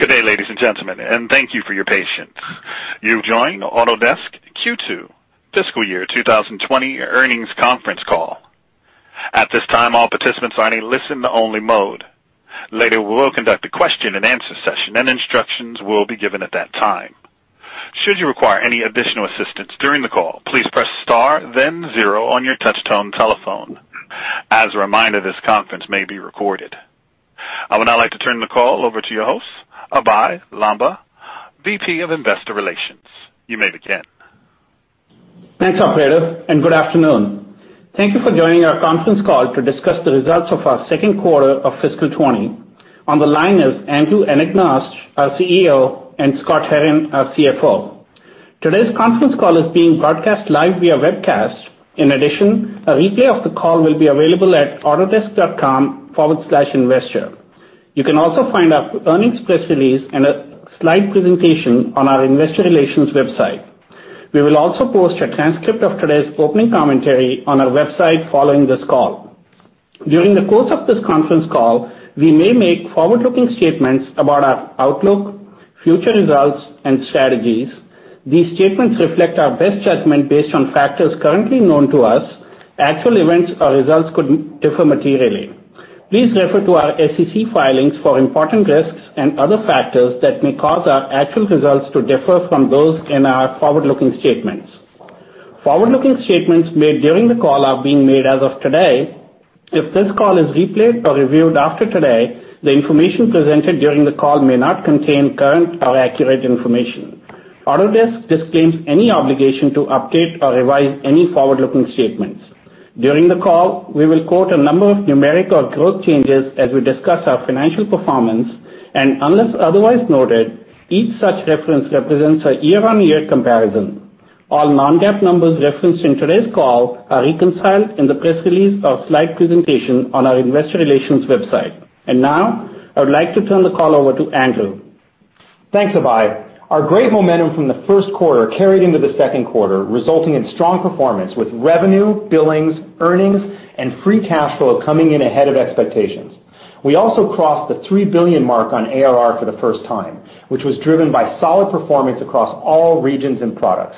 Good day, ladies and gentlemen, and thank you for your patience. You've joined Autodesk Q2 fiscal year 2020 earnings conference call. At this time, all participants are in a listen only mode. Later, we will conduct a question and answer session. Instructions will be given at that time. Should you require any additional assistance during the call, please press star then zero on your touch tone telephone. As a reminder, this conference may be recorded. I would now like to turn the call over to your host, Abhey Lamba, Vice President of Investor Relations. You may begin. Thanks, operator. Good afternoon. Thank you for joining our conference call to discuss the results of our second quarter of fiscal 2020. On the line is Andrew Anagnost, our CEO, and Scott Herren, our CFO. Today's conference call is being broadcast live via webcast. In addition, a replay of the call will be available at autodesk.com/investor. You can also find our earnings press release and a slide presentation on our investor relations website. We will also post a transcript of today's opening commentary on our website following this call. During the course of this conference call, we may make forward-looking statements about our outlook, future results, and strategies. These statements reflect our best judgment based on factors currently known to us. Actual events or results could differ materially. Please refer to our SEC filings for important risks and other factors that may cause our actual results to differ from those in our forward-looking statements. Forward-looking statements made during the call are being made as of today. If this call is replayed or reviewed after today, the information presented during the call may not contain current or accurate information. Autodesk disclaims any obligation to update or revise any forward-looking statements. During the call, we will quote a number of numeric or growth changes as we discuss our financial performance, and unless otherwise noted, each such reference represents a year-on-year comparison. All non-GAAP numbers referenced in today's call are reconciled in the press release or slide presentation on our investor relations website. Now, I would like to turn the call over to Andrew. Thanks, Abhey. Our great momentum from the first quarter carried into the second quarter, resulting in strong performance with revenue, billings, earnings, and free cash flow coming in ahead of expectations. We also crossed the $3 billion mark on ARR for the first time, which was driven by solid performance across all regions and products.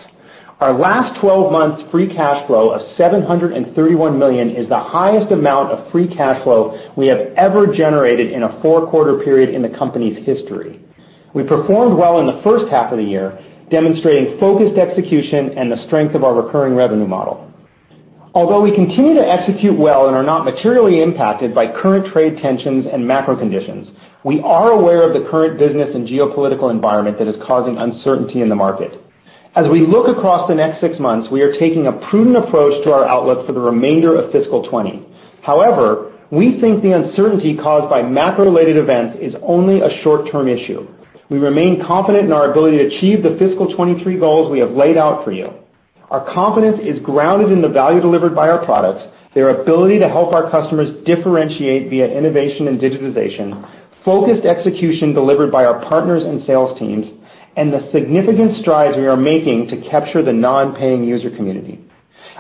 Our last 12 months free cash flow of $731 million is the highest amount of free cash flow we have ever generated in a four-quarter period in the company's history. We performed well in the first half of the year, demonstrating focused execution and the strength of our recurring revenue model. Although we continue to execute well and are not materially impacted by current trade tensions and macro conditions, we are aware of the current business and geopolitical environment that is causing uncertainty in the market. As we look across the next six months, we are taking a prudent approach to our outlook for the remainder of fiscal 2020. However, we think the uncertainty caused by macro-related events is only a short-term issue. We remain confident in our ability to achieve the fiscal 2023 goals we have laid out for you. Our confidence is grounded in the value delivered by our products, their ability to help our customers differentiate via innovation and digitization, focused execution delivered by our partners and sales teams, and the significant strides we are making to capture the non-paying user community.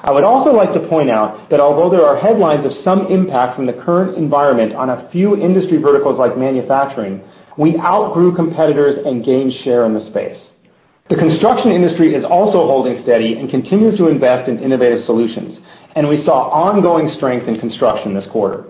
I would also like to point out that although there are headlines of some impact from the current environment on a few industry verticals like manufacturing, we outgrew competitors and gained share in the space. The construction industry is also holding steady and continues to invest in innovative solutions. We saw ongoing strength in construction this quarter.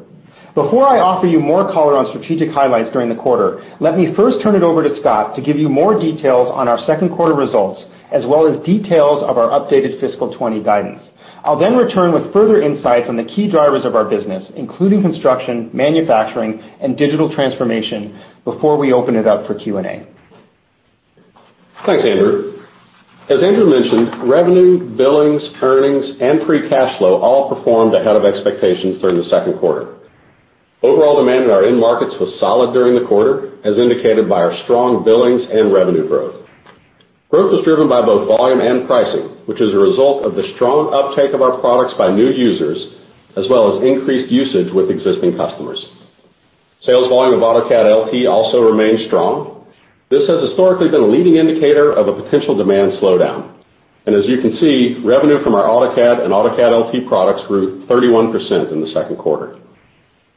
Before I offer you more color on strategic highlights during the quarter, let me first turn it over to Scott to give you more details on our second quarter results, as well as details of our updated fiscal 2020 guidance. I'll return with further insights on the key drivers of our business, including construction, manufacturing, and digital transformation, before we open it up for Q&A. Thanks, Andrew. As Andrew mentioned, revenue, billings, earnings, and free cash flow all performed ahead of expectations during the second quarter. Overall demand in our end markets was solid during the quarter, as indicated by our strong billings and revenue growth. Growth was driven by both volume and pricing, which is a result of the strong uptake of our products by new users, as well as increased usage with existing customers. Sales volume of AutoCAD LT also remained strong. This has historically been a leading indicator of a potential demand slowdown. As you can see, revenue from our AutoCAD and AutoCAD LT products grew 31% in the second quarter.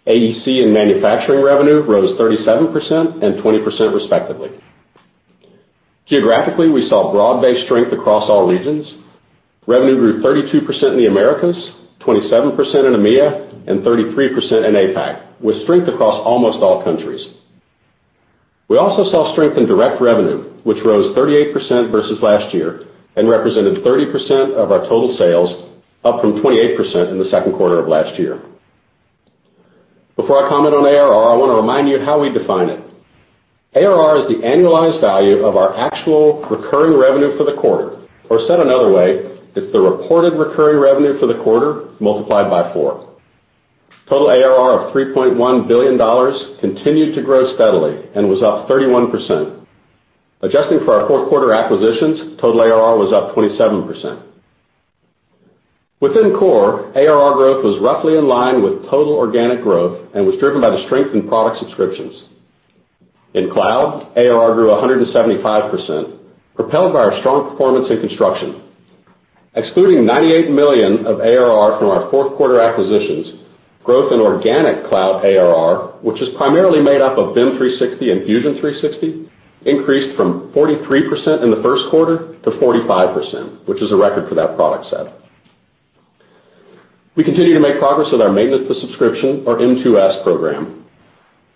AEC and manufacturing revenue rose 37% and 20% respectively. Geographically, we saw broad-based strength across all regions. Revenue grew 32% in the Americas, 27% in EMEIA, and 33% in APAC, with strength across almost all countries. We also saw strength in direct revenue, which rose 38% versus last year and represented 30% of our total sales, up from 28% in the second quarter of last year. Before I comment on ARR, I want to remind you of how we define it. ARR is the annualized value of our actual recurring revenue for the quarter, or said another way, it's the reported recurring revenue for the quarter multiplied by four. Total ARR of $3.1 billion continued to grow steadily and was up 31%. Adjusting for our fourth quarter acquisitions, total ARR was up 27%. Within core, ARR growth was roughly in line with total organic growth and was driven by the strength in product subscriptions. In cloud, ARR grew 175%, propelled by our strong performance in construction. Excluding $98 million of ARR from our fourth-quarter acquisitions, growth in organic cloud ARR, which is primarily made up of BIM 360 and Fusion 360, increased from 43% in the first quarter to 45%, which is a record for that product set. We continue to make progress with our maintenance to subscription, or M2S, program.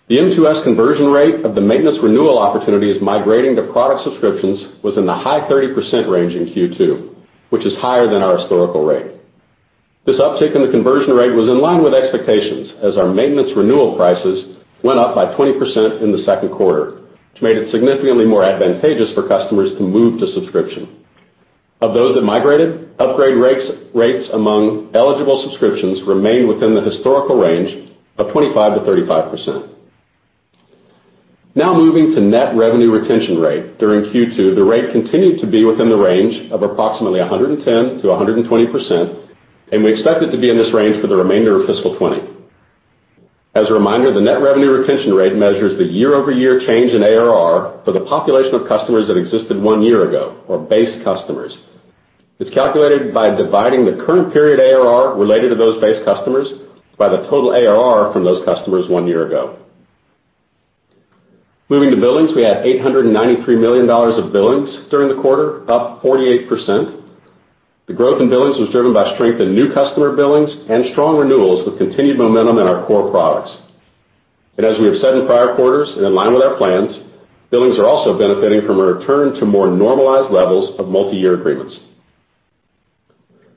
The M2S conversion rate of the maintenance renewal opportunity is migrating to product subscriptions within the high 30% range in Q2, which is higher than our historical rate. This uptick in the conversion rate was in line with expectations as our maintenance renewal prices went up by 20% in the second quarter, which made it significantly more advantageous for customers to move to subscription. Of those that migrated, upgrade rates among eligible subscriptions remain within the historical range of 25%-35%. Moving to net revenue retention rate. During Q2, the rate continued to be within the range of approximately 110%-120%, we expect it to be in this range for the remainder of fiscal 2020. As a reminder, the net revenue retention rate measures the year-over-year change in ARR for the population of customers that existed one year ago, or base customers. It's calculated by dividing the current period ARR related to those base customers by the total ARR from those customers one year ago. Moving to billings, we had $893 million of billings during the quarter, up 48%. The growth in billings was driven by strength in new customer billings and strong renewals with continued momentum in our core products. As we have said in prior quarters, and in line with our plans, billings are also benefiting from a return to more normalized levels of multi-year agreements.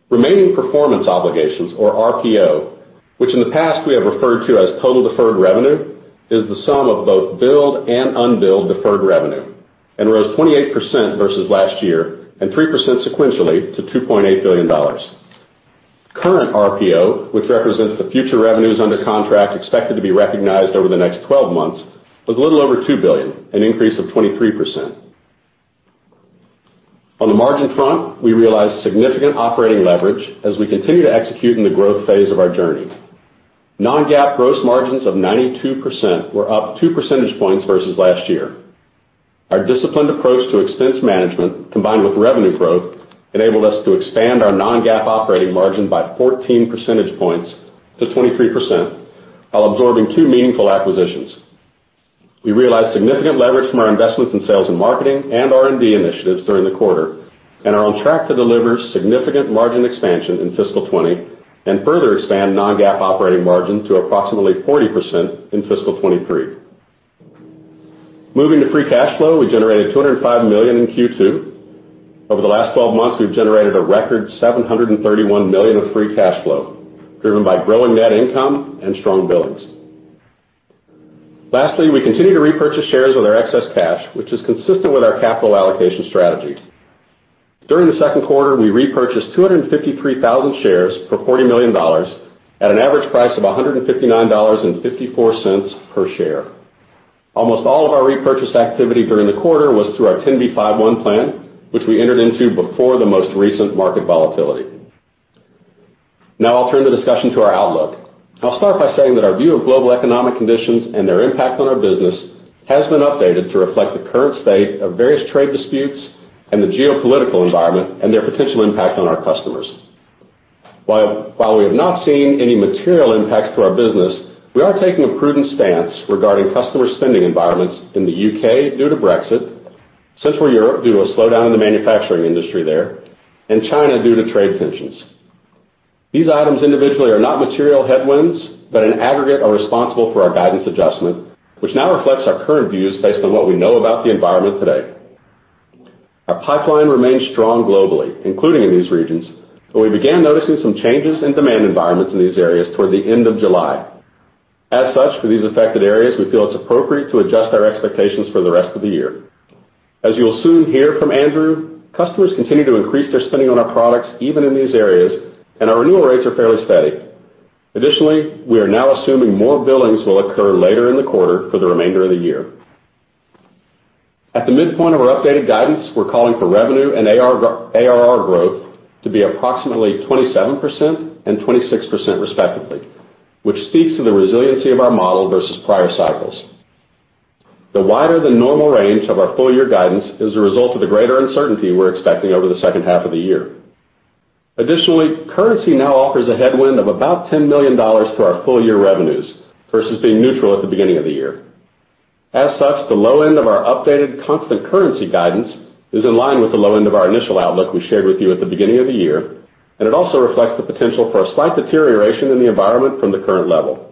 Remaining performance obligations, or RPO, which in the past we have referred to as total deferred revenue, is the sum of both billed and unbilled deferred revenue and rose 28% versus last year and 3% sequentially to $2.8 billion. Current RPO, which represents the future revenues under contract expected to be recognized over the next 12 months, was a little over $2 billion, an increase of 23%. On the margin front, we realized significant operating leverage as we continue to execute in the growth phase of our journey. Non-GAAP gross margins of 92% were up two percentage points versus last year. Our disciplined approach to expense management, combined with revenue growth, enabled us to expand our non-GAAP operating margin by 14 percentage points to 23% while absorbing two meaningful acquisitions. We realized significant leverage from our investments in sales and marketing and R&D initiatives during the quarter and are on track to deliver significant margin expansion in fiscal 2020 and further expand non-GAAP operating margin to approximately 40% in fiscal 2023. Moving to free cash flow, we generated $205 million in Q2. Over the last 12 months, we've generated a record $731 million of free cash flow, driven by growing net income and strong billings. Lastly, we continue to repurchase shares with our excess cash, which is consistent with our capital allocation strategy. During the second quarter, we repurchased 253,000 shares for $40 million at an average price of $159.54 per share. Almost all of our repurchase activity during the quarter was through our 10b5-1 plan, which we entered into before the most recent market volatility. Now I'll turn the discussion to our outlook. I'll start by saying that our view of global economic conditions and their impact on our business has been updated to reflect the current state of various trade disputes and the geopolitical environment and their potential impact on our customers. While we have not seen any material impacts to our business, we are taking a prudent stance regarding customer spending environments in the U.K. due to Brexit, Central Europe due to a slowdown in the manufacturing industry there, and China due to trade tensions. These items individually are not material headwinds, but in aggregate are responsible for our guidance adjustment, which now reflects our current views based on what we know about the environment today. Our pipeline remains strong globally, including in these regions, but we began noticing some changes in demand environments in these areas toward the end of July. As such, for these affected areas, we feel it's appropriate to adjust our expectations for the rest of the year. As you will soon hear from Andrew, customers continue to increase their spending on our products, even in these areas, and our renewal rates are fairly steady. We are now assuming more billings will occur later in the quarter for the remainder of the year. At the midpoint of our updated guidance, we're calling for revenue and ARR growth to be approximately 27% and 26% respectively, which speaks to the resiliency of our model versus prior cycles. The wider-than-normal range of our full-year guidance is a result of the greater uncertainty we're expecting over the second half of the year. Currency now offers a headwind of about $10 million to our full-year revenues versus being neutral at the beginning of the year. As such, the low end of our updated constant currency guidance is in line with the low end of our initial outlook we shared with you at the beginning of the year, and it also reflects the potential for a slight deterioration in the environment from the current level.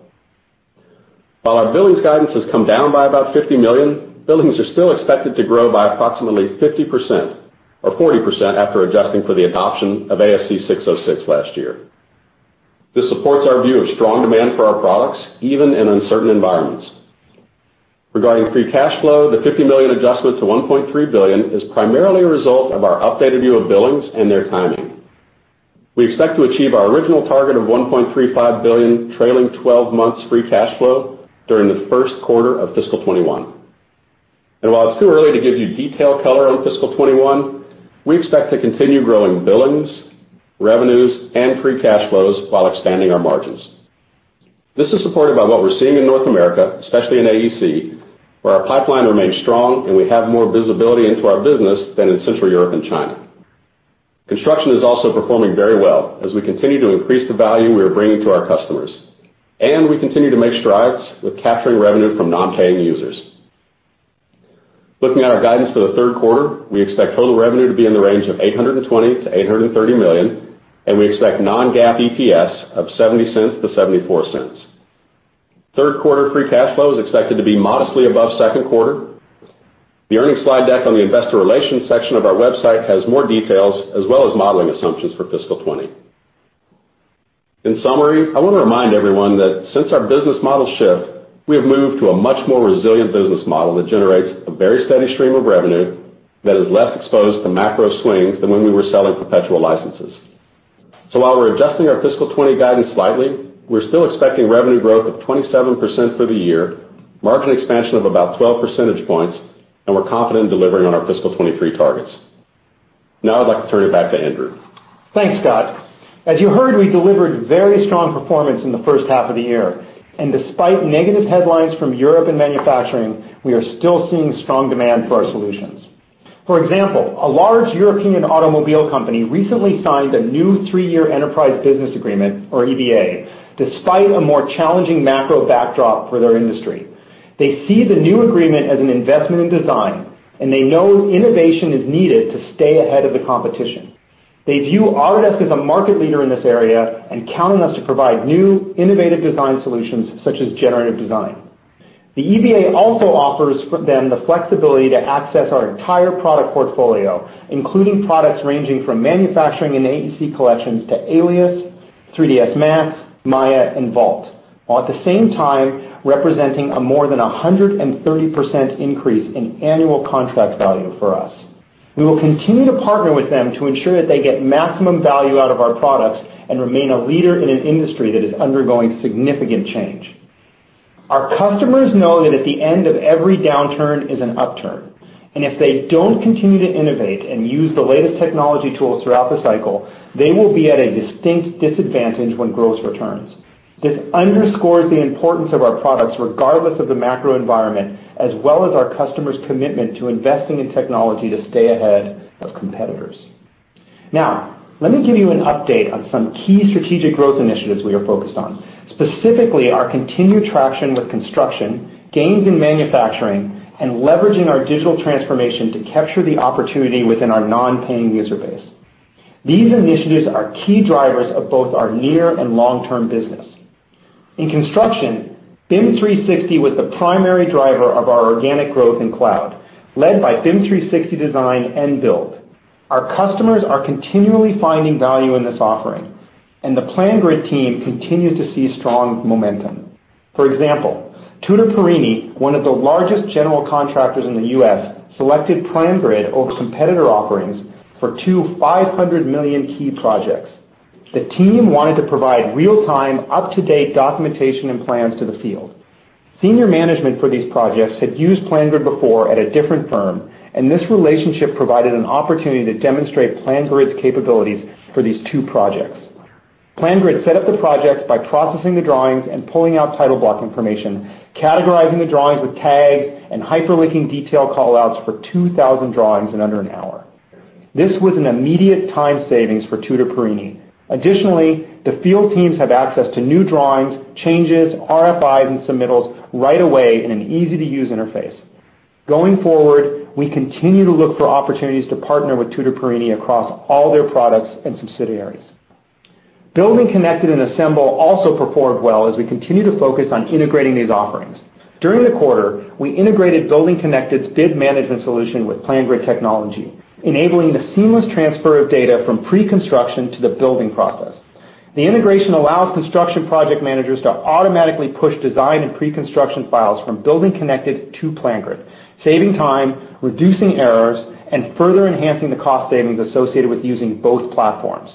While our billings guidance has come down by about $50 million, billings are still expected to grow by approximately 50%, or 40% after adjusting for the adoption of ASC 606 last year. This supports our view of strong demand for our products, even in uncertain environments. Regarding free cash flow, the $50 million adjustment to $1.3 billion is primarily a result of our updated view of billings and their timing. We expect to achieve our original target of $1.35 billion trailing 12 months free cash flow during the first quarter of fiscal 2021. While it's too early to give you detailed color on fiscal 2021, we expect to continue growing billings, revenues, and free cash flows while expanding our margins. This is supported by what we're seeing in North America, especially in AEC, where our pipeline remains strong and we have more visibility into our business than in Central Europe and China. Construction is also performing very well as we continue to increase the value we are bringing to our customers. We continue to make strides with capturing revenue from non-paying users. Looking at our guidance for the third quarter, we expect total revenue to be in the range of $820 million-$830 million, and we expect non-GAAP EPS of $0.70-$0.74. Third-quarter free cash flow is expected to be modestly above second quarter. The earnings slide deck on the investor relations section of our website has more details as well as modeling assumptions for fiscal 2020. In summary, I want to remind everyone that since our business model shift, we have moved to a much more resilient business model that generates a very steady stream of revenue that is less exposed to macro swings than when we were selling perpetual licenses. While we're adjusting our fiscal 2020 guidance slightly, we're still expecting revenue growth of 27% for the year, margin expansion of about 12 percentage points, and we're confident in delivering on our fiscal 2023 targets. Now I'd like to turn it back to Andrew. Thanks, Scott. As you heard, we delivered very strong performance in the first half of the year, and despite negative headlines from Europe and manufacturing, we are still seeing strong demand for our solutions. For example, a large European automobile company recently signed a new three-year enterprise business agreement or EBA, despite a more challenging macro backdrop for their industry. They see the new agreement as an investment in design, and they know innovation is needed to stay ahead of the competition. They view Autodesk as a market leader in this area and counting us to provide new, innovative design solutions such as generative design. The EBA also offers them the flexibility to access our entire product portfolio, including products ranging from manufacturing and AEC collections to Alias, 3ds Max, Maya, and Vault, while at the same time representing a more than 130% increase in annual contract value for us. We will continue to partner with them to ensure that they get maximum value out of our products and remain a leader in an industry that is undergoing significant change. Our customers know that at the end of every downturn is an upturn, and if they don't continue to innovate and use the latest technology tools throughout the cycle, they will be at a distinct disadvantage when growth returns. This underscores the importance of our products regardless of the macro environment, as well as our customers' commitment to investing in technology to stay ahead of competitors. Now, let me give you an update on some key strategic growth initiatives we are focused on. Specifically, our continued traction with construction, gains in manufacturing, and leveraging our digital transformation to capture the opportunity within our non-paying user base. These initiatives are key drivers of both our near and long-term business. In construction, BIM 360 was the primary driver of our organic growth in cloud, led by BIM 360 Design and Build. Our customers are continually finding value in this offering, and the PlanGrid team continues to see strong momentum. For example, Tutor Perini, one of the largest general contractors in the U.S., selected PlanGrid over competitor offerings for two $500 million key projects. The team wanted to provide real-time, up-to-date documentation and plans to the field. Senior management for these projects had used PlanGrid before at a different firm, and this relationship provided an opportunity to demonstrate PlanGrid's capabilities for these two projects. PlanGrid set up the projects by processing the drawings and pulling out title block information, categorizing the drawings with tags, and hyperlinking detail call-outs for 2,000 drawings in under an hour. This was an immediate time savings for Tutor Perini. Additionally, the field teams have access to new drawings, changes, RFIs, and submittals right away in an easy-to-use interface. Going forward, we continue to look for opportunities to partner with Tutor Perini across all their products and subsidiaries. BuildingConnected and Assemble also performed well as we continue to focus on integrating these offerings. During the quarter, we integrated BuildingConnected's bid management solution with PlanGrid technology, enabling the seamless transfer of data from pre-construction to the building process. The integration allows construction project managers to automatically push design and pre-construction files from BuildingConnected to PlanGrid, saving time, reducing errors, and further enhancing the cost savings associated with using both platforms.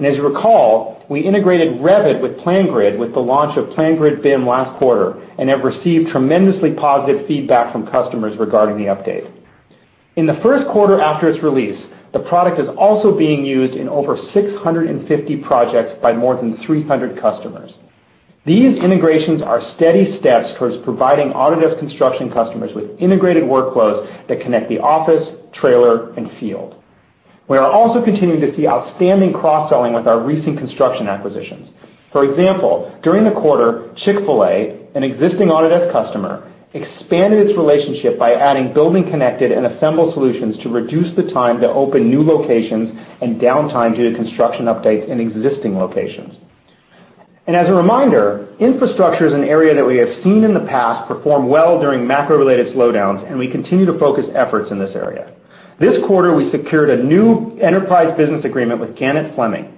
As you recall, we integrated Revit with PlanGrid with the launch of PlanGrid BIM last quarter and have received tremendously positive feedback from customers regarding the update. In the first quarter after its release, the product is also being used in over 650 projects by more than 300 customers. These integrations are steady steps towards providing Autodesk construction customers with integrated workflows that connect the office, trailer, and field. We are also continuing to see outstanding cross-selling with our recent construction acquisitions. For example, during the quarter, Chick-fil-A, an existing Autodesk customer, expanded its relationship by adding BuildingConnected and Assemble solutions to reduce the time to open new locations and downtime due to construction updates in existing locations. As a reminder, infrastructure is an area that we have seen in the past perform well during macro-related slowdowns, and we continue to focus efforts in this area. This quarter, we secured a new enterprise business agreement with Gannett Fleming.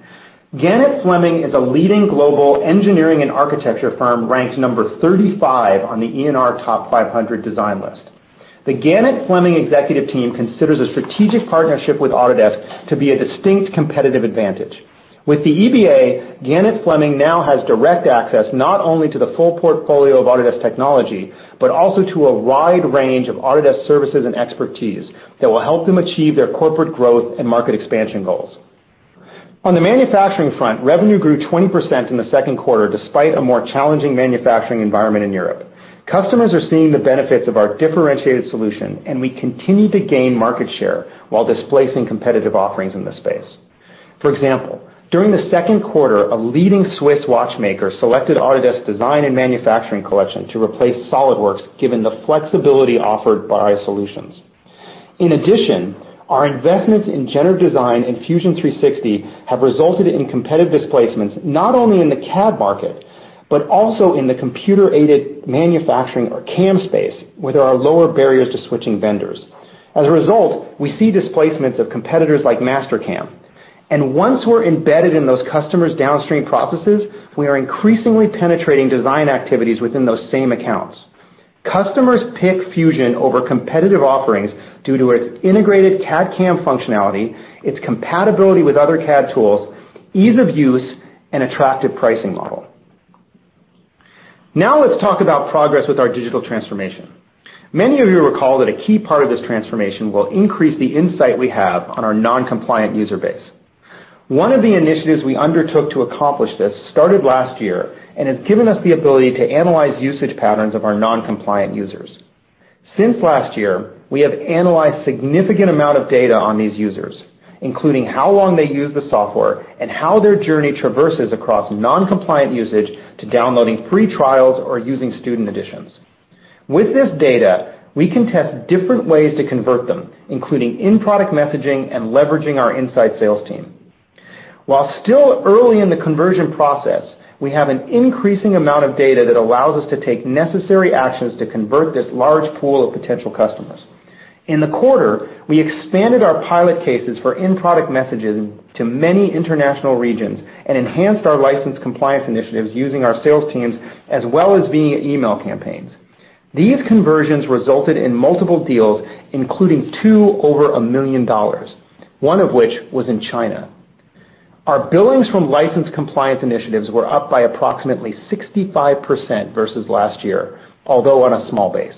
Gannett Fleming is a leading global engineering and architecture firm ranked number 35 on the ENR Top 500 Design Firms. The Gannett Fleming executive team considers a strategic partnership with Autodesk to be a distinct competitive advantage. With the EBA, Gannett Fleming now has direct access not only to the full portfolio of Autodesk technology, but also to a wide range of Autodesk services and expertise that will help them achieve their corporate growth and market expansion goals. On the manufacturing front, revenue grew 20% in the second quarter, despite a more challenging manufacturing environment in Europe. Customers are seeing the benefits of our differentiated solution, and we continue to gain market share while displacing competitive offerings in this space. For example, during the second quarter, a leading Swiss watchmaker selected Autodesk Design and Manufacturing Collection to replace SolidWorks, given the flexibility offered by our solutions. In addition, our investments in Generative Design and Fusion 360 have resulted in competitive displacements not only in the CAD market, but also in the computer-aided manufacturing or CAM space, where there are lower barriers to switching vendors. As a result, we see displacements of competitors like Mastercam. Once we're embedded in those customers' downstream processes, we are increasingly penetrating design activities within those same accounts. Customers pick Fusion over competitive offerings due to its integrated CAD/CAM functionality, its compatibility with other CAD tools, ease of use, and attractive pricing model. Now let's talk about progress with our digital transformation. Many of you recall that a key part of this transformation will increase the insight we have on our non-compliant user base. One of the initiatives we undertook to accomplish this started last year and has given us the ability to analyze usage patterns of our non-compliant users. Since last year, we have analyzed significant amount of data on these users, including how long they use the software and how their journey traverses across non-compliant usage to downloading free trials or using student editions. With this data, we can test different ways to convert them, including in-product messaging and leveraging our inside sales team. While still early in the conversion process, we have an increasing amount of data that allows us to take necessary actions to convert this large pool of potential customers. In the quarter, we expanded our pilot cases for in-product messaging to many international regions and enhanced our license compliance initiatives using our sales teams, as well as via email campaigns. These conversions resulted in multiple deals, including two over $1 million, one of which was in China. Our billings from license compliance initiatives were up by approximately 65% versus last year, although on a small base.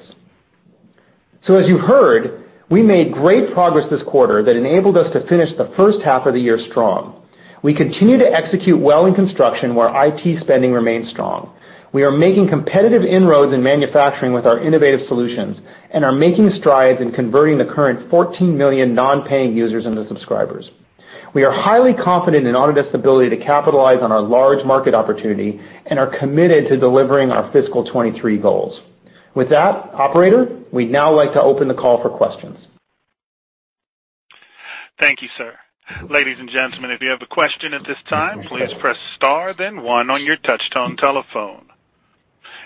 As you heard, we made great progress this quarter that enabled us to finish the first half of the year strong. We continue to execute well in construction, where IT spending remains strong. We are making competitive inroads in manufacturing with our innovative solutions and are making strides in converting the current 14 million non-paying users into subscribers. We are highly confident in Autodesk's ability to capitalize on our large market opportunity and are committed to delivering our fiscal 2023 goals. With that, operator, we'd now like to open the call for questions. Thank you, sir. Ladies and gentlemen, if you have a question at this time, please press star then one on your touchtone telephone.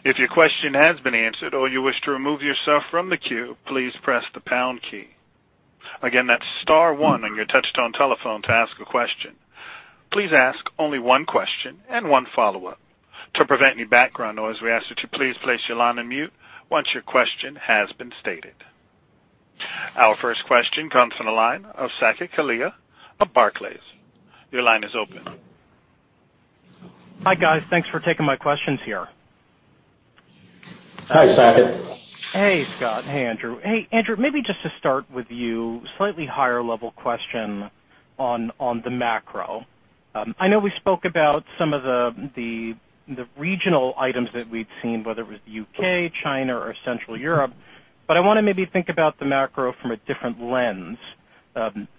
If your question has been answered or you wish to remove yourself from the queue, please press the pound key. Again, that's star one on your touchtone telephone to ask a question. Please ask only one question and one follow-up. To prevent any background noise, we ask that you please place your line on mute once your question has been stated. Our first question comes from the line of Saket Kalia of Barclays. Your line is open. Hi, guys. Thanks for taking my questions here. Hi, Saket. Hey, Scott. Hey, Andrew. Hey, Andrew, maybe just to start with you, slightly higher-level question on the macro. I know we spoke about some of the regional items that we'd seen, whether it was the U.K., China, or Central Europe, I wanna maybe think about the macro from a different lens.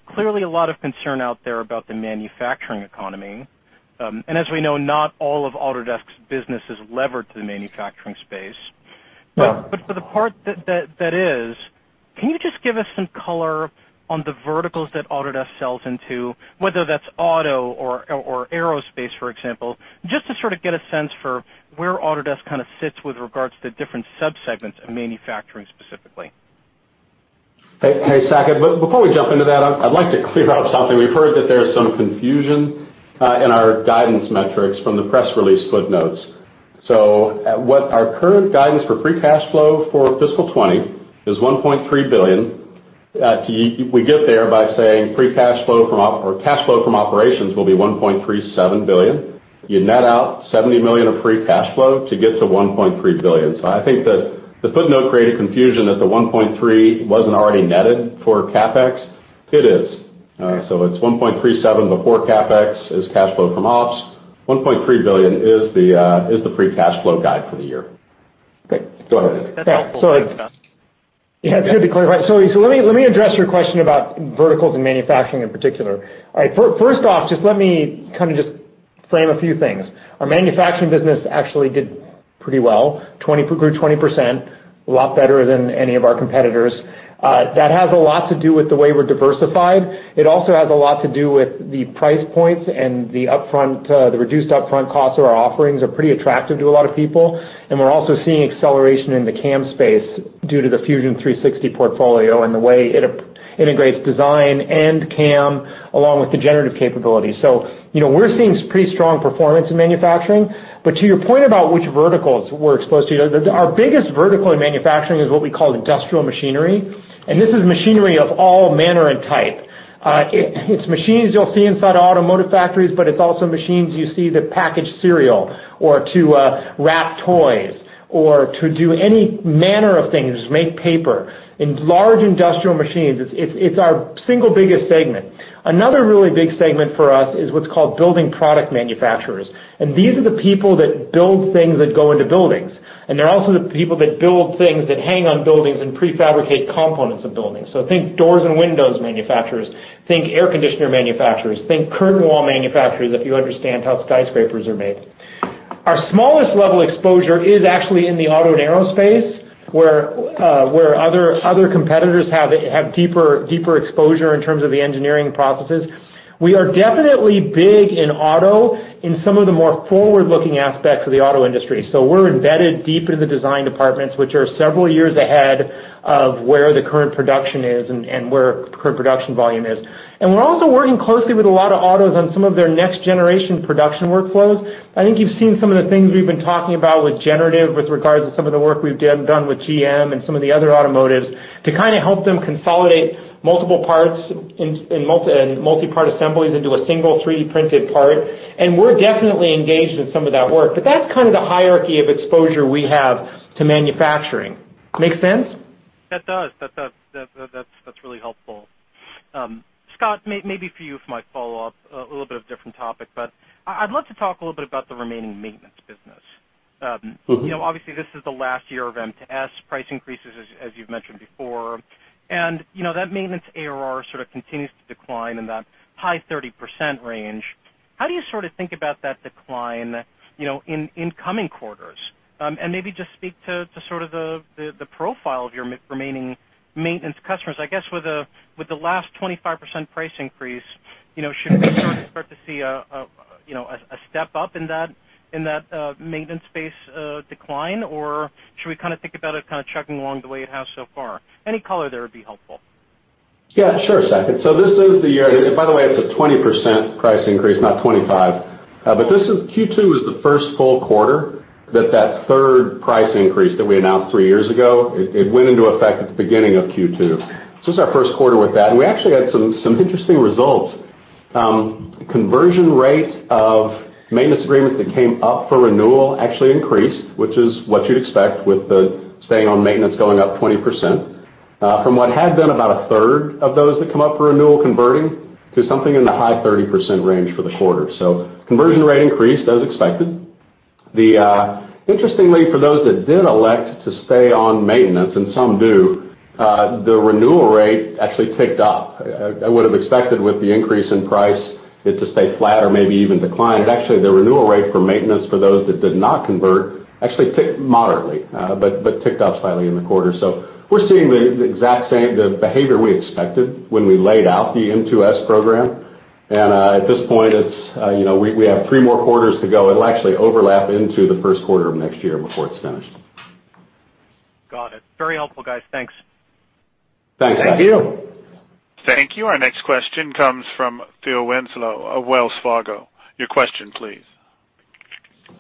Clearly a lot of concern out there about the manufacturing economy. as we know, not all of Autodesk's business is levered to the manufacturing space. Yeah. For the part that is, can you just give us some color on the verticals that Autodesk sells into, whether that's auto or aerospace, for example, just to sort of get a sense for where Autodesk kind of sits with regards to different subsegments of manufacturing specifically. Hey, Saket. Before we jump into that, I'd like to clear up something. We've heard that there's some confusion in our guidance metrics from the press release footnotes. What our current guidance for free cash flow for fiscal 2020 is $1.3 billion. We get there by saying cash flow from operations will be $1.37 billion. You net out $70 million of free cash flow to get to $1.3 billion. I think the footnote created confusion that the $1.3 wasn't already netted for CapEx. It is. It's $1.37 before CapEx is cash flow from ops. $1.3 billion is the free cash flow guide for the year. Great. Go ahead, Andrew. That's helpful. Thanks, Scott. Yeah, to clarify. Let me address your question about verticals and manufacturing in particular. All right. First off, just let me kind of just frame a few things. Our manufacturing business actually did pretty well, grew 20%, a lot better than any of our competitors. That has a lot to do with the way we're diversified. It also has a lot to do with the price points and the reduced upfront costs of our offerings are pretty attractive to a lot of people, and we're also seeing acceleration in the CAM space due to the Fusion 360 portfolio and the way it integrates design and CAM along with the generative capabilities. We're seeing pretty strong performance in manufacturing, but to your point about which verticals we're exposed to, our biggest vertical in manufacturing is what we call industrial machinery, and this is machinery of all manner and type. It's machines you'll see inside automotive factories, but it's also machines you see that package cereal or to wrap toys or to do any manner of things, make paper in large industrial machines. It's our single biggest segment. Another really big segment for us is what's called building product manufacturers. These are the people that build things that go into buildings, and they're also the people that build things that hang on buildings and prefabricate components of buildings. Think doors and windows manufacturers, think air conditioner manufacturers, think curtain wall manufacturers, if you understand how skyscrapers are made. Our smallest level exposure is actually in the auto and aerospace, where other competitors have deeper exposure in terms of the engineering processes. We are definitely big in auto in some of the more forward-looking aspects of the auto industry. We're embedded deep into the design departments, which are several years ahead of where the current production is and where current production volume is. We're also working closely with a lot of autos on some of their next-generation production workflows. I think you've seen some of the things we've been talking about with generative, with regards to some of the work we've done with GM and some of the other automotives to help them consolidate multiple parts and multi-part assemblies into a single 3D-printed part. We're definitely engaged in some of that work. That's the hierarchy of exposure we have to manufacturing. Make sense? That does. That's really helpful. Scott, maybe for you for my follow-up, a little bit of different topic. I'd love to talk a little bit about the remaining maintenance business. Obviously, this is the last year of M2S price increases, as you've mentioned before. That maintenance ARR sort of continues to decline in that high 30% range. How do you think about that decline in coming quarters? Maybe just speak to the profile of your remaining maintenance customers. I guess with the last 25% price increase, should we start to see a step-up in that maintenance base decline, or should we think about it chucking along the way it has so far? Any color there would be helpful. Sure, Saket. By the way, it's a 20% price increase, not 25. Q2 was the first full quarter that that third price increase that we announced 3 years ago, it went into effect at the beginning of Q2. This is our first quarter with that, and we actually had some interesting results. Conversion rate of maintenance agreements that came up for renewal actually increased, which is what you'd expect with the stay on maintenance going up 20%, from what had been about a third of those that come up for renewal converting to something in the high 30% range for the quarter. Conversion rate increased as expected. Interestingly, for those that did elect to stay on maintenance, and some do, the renewal rate actually ticked up. I would've expected with the increase in price it to stay flat or maybe even decline. Actually, the renewal rate for maintenance for those that did not convert actually ticked moderately, but ticked up slightly in the quarter. We're seeing the exact same behavior we expected when we laid out the M2S program. At this point, we have three more quarters to go. It'll actually overlap into the first quarter of next year before it's finished. Got it. Very helpful, guys. Thanks. Thanks, Zach. Thank you. Thank you. Our next question comes from Phil Winslow of Wells Fargo. Your question, please.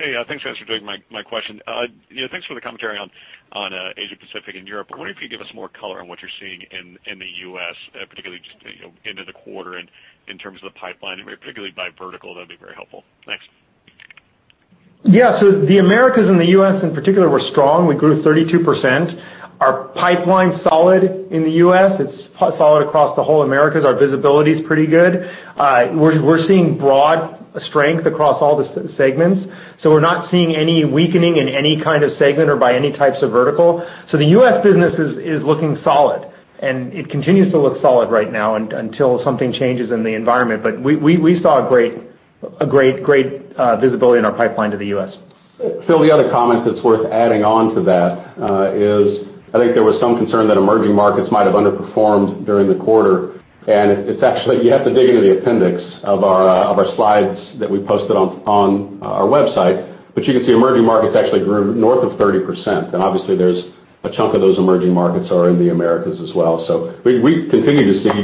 Hey, thanks for taking my question. Thanks for the commentary on Asia Pacific and Europe. I wonder if you give us more color on what you're seeing in the U.S., particularly just into the quarter and in terms of the pipeline, and particularly by vertical, that'd be very helpful. Thanks. Yeah. The Americas and the U.S. in particular were strong. We grew 32%. Our pipeline's solid in the U.S. It's solid across the whole Americas. Our visibility's pretty good. We're seeing broad strength across all the segments, so we're not seeing any weakening in any kind of segment or by any types of vertical. The U.S. business is looking solid, and it continues to look solid right now until something changes in the environment. We saw a great visibility in our pipeline to the U.S. Phil, the other comment that’s worth adding on to that is, I think there was some concern that emerging markets might have underperformed during the quarter. It’s actually, you have to dig into the appendix of our slides that we posted on our website. You can see emerging markets actually grew north of 30%, and obviously there’s a chunk of those emerging markets are in the Americas as well. We continue to see,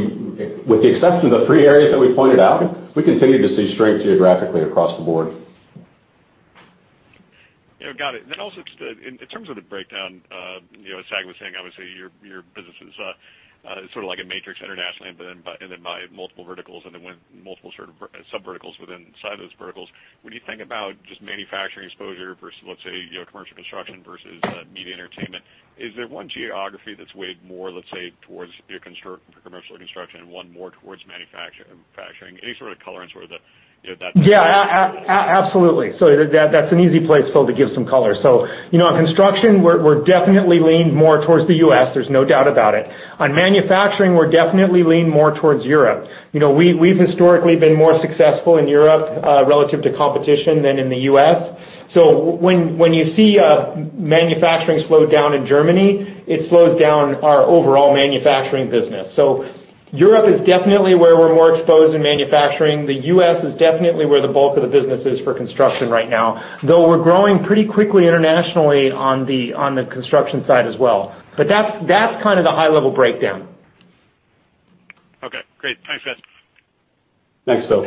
with the exception of the three areas that we pointed out, we continue to see strength geographically across the board. Yeah, got it. Also, just in terms of the breakdown, as Zach was saying, obviously, your business is sort of like a matrix internationally and then by multiple verticals and then with multiple sort of sub-verticals within inside of those verticals. When you think about just manufacturing exposure versus, let's say, commercial construction versus media and entertainment, is there one geography that's weighed more, let's say, towards your commercial construction and one more towards manufacturing? Yeah, absolutely. That's an easy place, Phil, to give some color. On construction, we're definitely leaned more towards the U.S., there's no doubt about it. On manufacturing, we're definitely leaned more towards Europe. We've historically been more successful in Europe relative to competition than in the U.S. When you see a manufacturing slowdown in Germany, it slows down our overall manufacturing business. Europe is definitely where we're more exposed in manufacturing. The U.S. is definitely where the bulk of the business is for construction right now, though we're growing pretty quickly internationally on the construction side as well. That's the high-level breakdown. Okay, great. Thanks, guys. Thanks, Phil.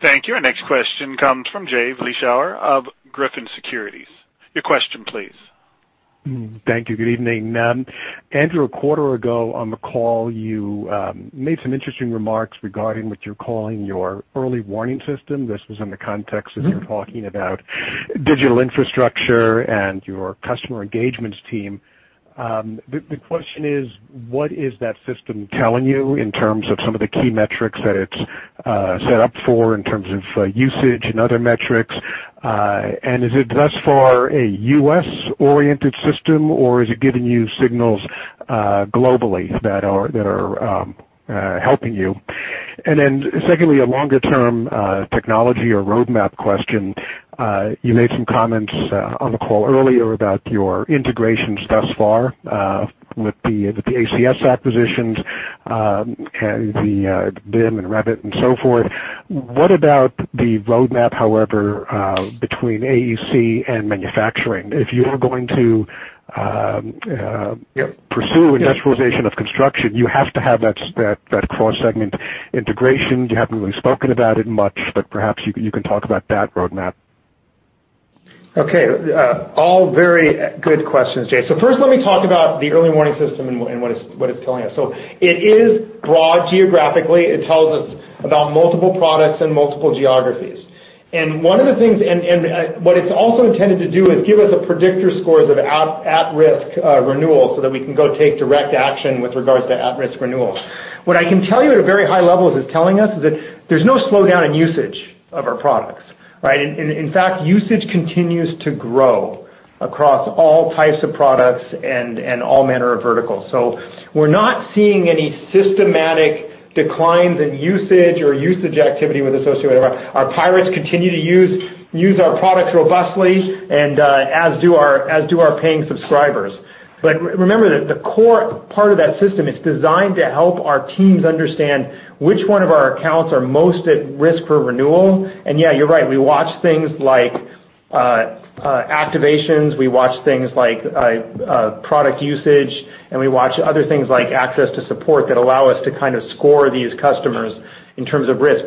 Thank you. Our next question comes from Jay Vleeschhouwer of Griffin Securities. Your question, please. Thank you. Good evening. Andrew, a quarter ago on the call, you made some interesting remarks regarding what you're calling your early warning system. This was in the context as you were talking about digital infrastructure and your customer engagements team. The question is, what is that system telling you in terms of some of the key metrics that it's set up for, in terms of usage and other metrics? Is it thus far a U.S.-oriented system, or is it giving you signals globally that are helping you? Secondly, a longer-term technology or roadmap question. You made some comments on the call earlier about your integrations thus far with the AEC acquisitions, and the BIM, and Revit, and so forth. What about the roadmap, however, between AEC and manufacturing? If you are going to- Yep pursue industrialization of construction, you have to have that cross-segment integration. You haven't really spoken about it much, but perhaps you can talk about that roadmap. Okay. All very good questions, Jay. First, let me talk about the early warning system and what it's telling us. It is broad geographically. It tells us about multiple products and multiple geographies. What it's also intended to do is give us a predictor scores of at-risk renewals so that we can go take direct action with regards to at-risk renewals. What I can tell you at a very high level is it's telling us that there's no slowdown in usage of our products, right? In fact, usage continues to grow across all types of products and all manner of verticals. We're not seeing any systematic declines in usage or usage activity. Our pirates continue to use our products robustly and as do our paying subscribers. Remember that the core part of that system is designed to help our teams understand which one of our accounts are most at risk for renewal. Yeah, you're right, we watch things like activations, we watch things like product usage, and we watch other things like access to support that allow us to kind of score these customers in terms of risk.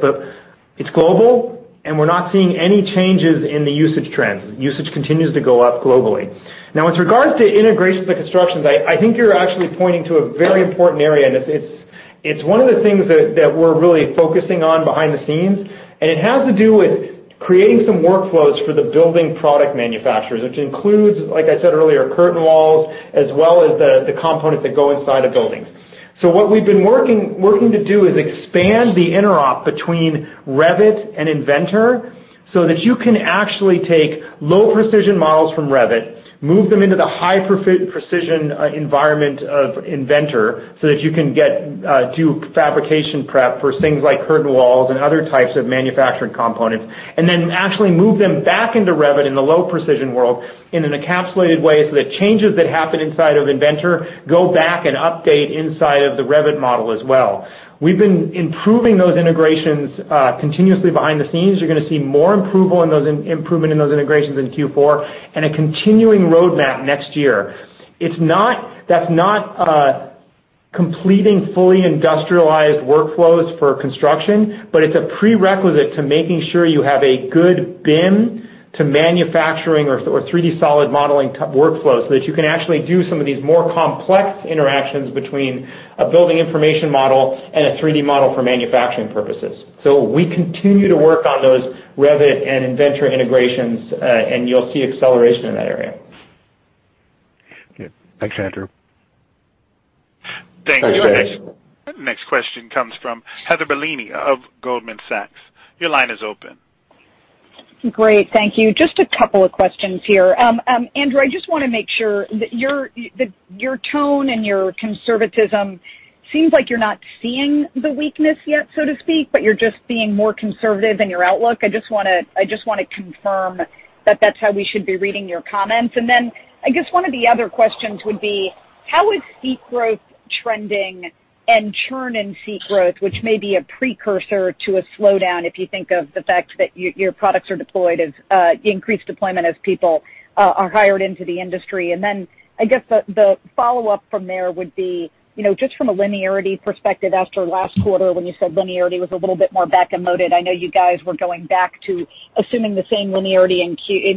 It's global, and we're not seeing any changes in the usage trends. Usage continues to go up globally. With regards to integration to the constructions, I think you're actually pointing to a very important area, and it's one of the things that we're really focusing on behind the scenes, and it has to do with creating some workflows for the building product manufacturers, which includes, like I said earlier, curtain walls, as well as the components that go inside of buildings. What we've been working to do is expand the interop between Revit and Inventor, so that you can actually take low-precision models from Revit, move them into the high-precision environment of Inventor, so that you can do fabrication prep for things like curtain walls and other types of manufacturing components. Actually move them back into Revit in the low-precision world in an encapsulated way so that changes that happen inside of Inventor go back and update inside of the Revit model as well. We've been improving those integrations continuously behind the scenes. You're going to see more improvement in those integrations in Q4, and a continuing roadmap next year. That's not completing fully industrialized workflows for construction, but it's a prerequisite to making sure you have a good BIM to manufacturing or 3D solid modeling workflows, so that you can actually do some of these more complex interactions between a building information model and a 3D model for manufacturing purposes. We continue to work on those Revit and Inventor integrations, and you'll see acceleration in that area. Okay. Thanks, Andrew. Thank you. Thanks, Jay. Next question comes from Heather Bellini of Goldman Sachs. Your line is open. Great. Thank you. Just a couple of questions here. Andrew, I just want to make sure that your tone and your conservatism seems like you're not seeing the weakness yet, so to speak, but you're just being more conservative in your outlook. I just want to confirm that that's how we should be reading your comments. Then I guess one of the other questions would be, how is seat growth trending and churn in seat growth, which may be a precursor to a slowdown, if you think of the fact that your products are deployed as, increased deployment as people are hired into the industry. I guess the follow-up from there would be, just from a linearity perspective, after last quarter when you said linearity was a little bit more back and loaded, I know you guys were going back to assuming the same linearity in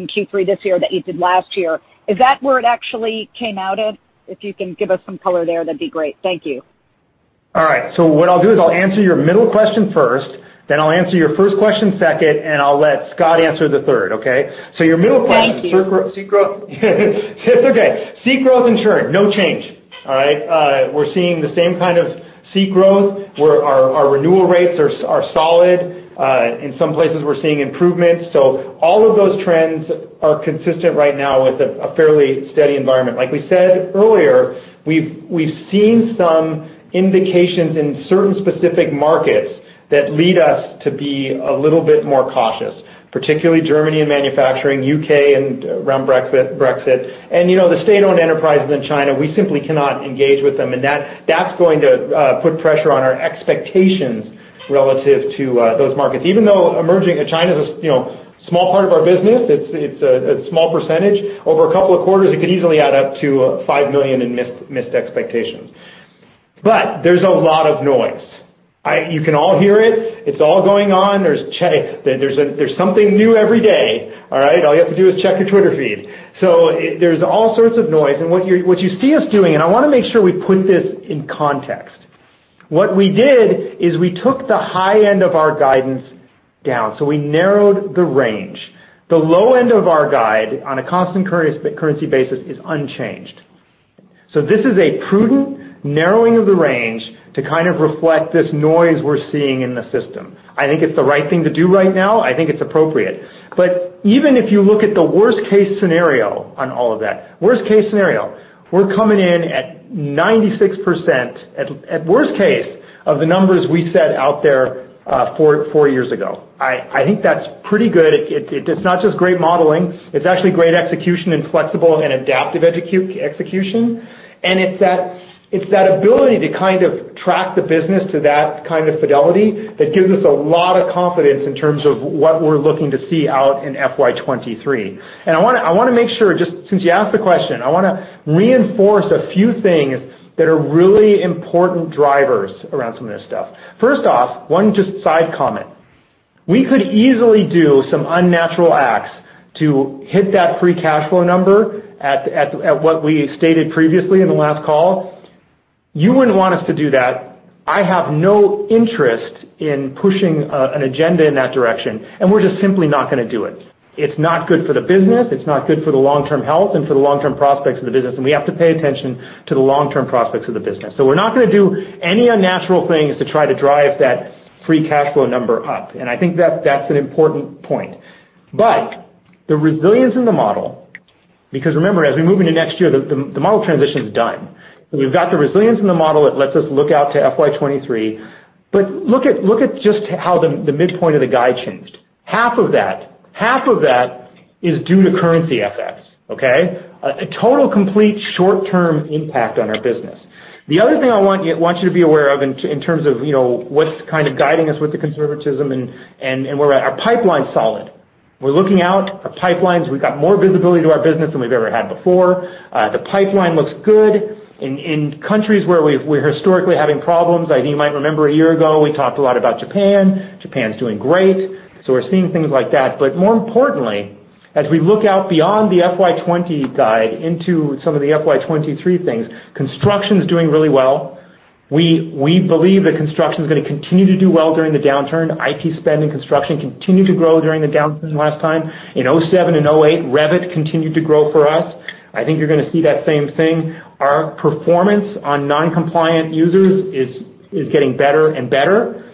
Q3 this year that you did last year. Is that where it actually came out at? If you can give us some color there, that'd be great. Thank you. All right. What I'll do is I'll answer your middle question first, then I'll answer your first question second, and I'll let Scott answer the third, okay? Your middle question- Thank you seat growth. It's okay. Seat growth and churn, no change. All right? We're seeing the same kind of seat growth, our renewal rates are solid. In some places we're seeing improvements. All of the trends are consistent right now with a fairly steady environment. Like we said earlier, we've seen some indications in certain specific markets that lead us to be a little bit more cautious, particularly Germany and manufacturing, U.K. and around Brexit. The state-owned enterprises in China, we simply cannot engage with them, and that's going to put pressure on our expectations relative to those markets. Even though emerging China's a small part of our business, it's a small percentage. Over a couple of quarters, it could easily add up to $5 million in missed expectations. There's a lot of noise. You can all hear it. It's all going on. There's something new every day. All right. All you have to do is check your Twitter feed. There's all sorts of noise. What you see us doing, and I want to make sure we put this in context. What we did is we took the high end of our guidance down. We narrowed the range. The low end of our guide on a constant currency basis is unchanged. This is a prudent narrowing of the range to kind of reflect this noise we're seeing in the system. I think it's the right thing to do right now. I think it's appropriate. Even if you look at the worst-case scenario on all of that, worst-case scenario, we're coming in at 96%, at worst case, of the numbers we set out there four years ago. I think that's pretty good. It's not just great modeling. It's actually great execution and flexible and adaptive execution. It's that ability to kind of track the business to that kind of fidelity that gives us a lot of confidence in terms of what we're looking to see out in FY 2023. I want to make sure, since you asked the question, I want to reinforce a few things that are really important drivers around some of this stuff. First off, one just side comment. We could easily do some unnatural acts to hit that free cash flow number at what we stated previously in the last call. You wouldn't want us to do that. I have no interest in pushing an agenda in that direction, and we're just simply not going to do it. It's not good for the business. It's not good for the long-term health and for the long-term prospects of the business, and we have to pay attention to the long-term prospects of the business. We're not going to do any unnatural things to try to drive that free cash flow number up. I think that's an important point. The resilience in the model, because remember, as we move into next year, the model transition's done. We've got the resilience in the model that lets us look out to FY 2023. Look at just how the midpoint of the guide changed. Half of that is due to currency FX, okay? A total complete short-term impact on our business. The other thing I want you to be aware of in terms of what's kind of guiding us with the conservatism and our pipeline's solid. We're looking out, our pipelines, we've got more visibility to our business than we've ever had before. The pipeline looks good. In countries where we're historically having problems, you might remember a year ago, we talked a lot about Japan. Japan's doing great. We're seeing things like that. More importantly, as we look out beyond the FY 2020 guide into some of the FY 2023 things, construction's doing really well. We believe that construction's going to continue to do well during the downturn. IT spend and construction continued to grow during the downturn last time. In 2007 and 2008, Revit continued to grow for us. I think you're going to see that same thing. Our performance on non-compliant users is getting better and better.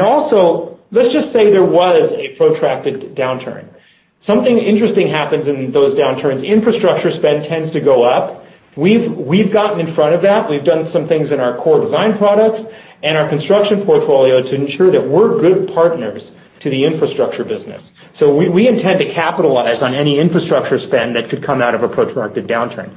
Also, let's just say there was a protracted downturn. Something interesting happens in those downturns. Infrastructure spend tends to go up. We've gotten in front of that. We've done some things in our core design products and our construction portfolio to ensure that we're good partners to the infrastructure business. We intend to capitalize on any infrastructure spend that could come out of a protracted downturn.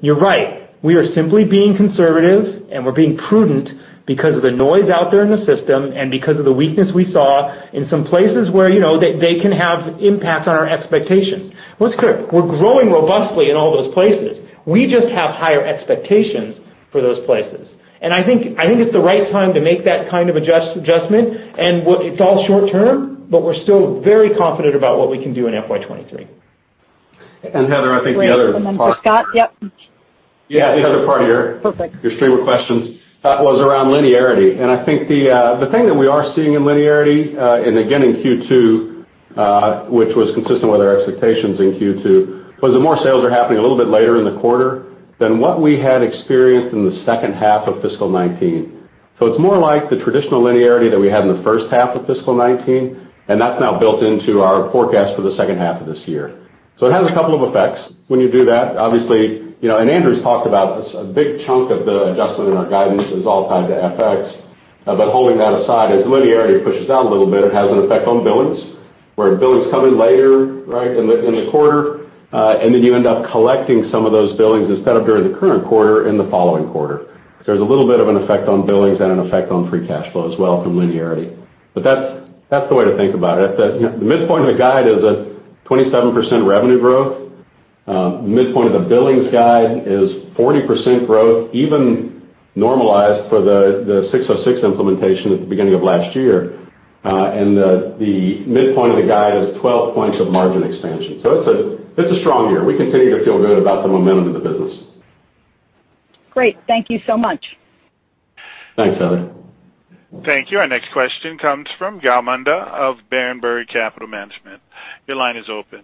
You're right. We are simply being conservative, and we're being prudent because of the noise out there in the system and because of the weakness we saw in some places where they can have impact on our expectations. Well, it's clear. We're growing robustly in all those places. We just have higher expectations for those places. I think it's the right time to make that kind of adjustment. It's all short-term, but we're still very confident about what we can do in FY 2023. Heather, I think the other part. Great. For Scott, yep. Yeah, the other part here. Perfect Your stream of questions was around linearity, and I think the thing that we are seeing in linearity, and again in Q2, which was consistent with our expectations in Q2, was that more sales are happening a little bit later in the quarter than what we had experienced in the second half of fiscal 2019. It's more like the traditional linearity that we had in the first half of fiscal 2019, and that's now built into our forecast for the second half of this year. It has a couple of effects when you do that. Obviously, Andrew's talked about this, a big chunk of the adjustment in our guidance is all tied to FX. Holding that aside, as linearity pushes out a little bit, it has an effect on billings, where billings come in later, right, in the quarter, and then you end up collecting some of those billings instead of during the current quarter, in the following quarter. There's a little bit of an effect on billings and an effect on free cash flow as well from linearity. That's the way to think about it. The midpoint of the guide is a 27% revenue growth. Midpoint of the billings guide is 40% growth, even normalized for the 606 implementation at the beginning of last year. The midpoint of the guide is 12 points of margin expansion. It's a strong year. We continue to feel good about the momentum of the business. Great. Thank you so much. Thanks, Heather. Thank you. Our next question comes from Gal Munda of Berenberg Capital Markets. Your line is open.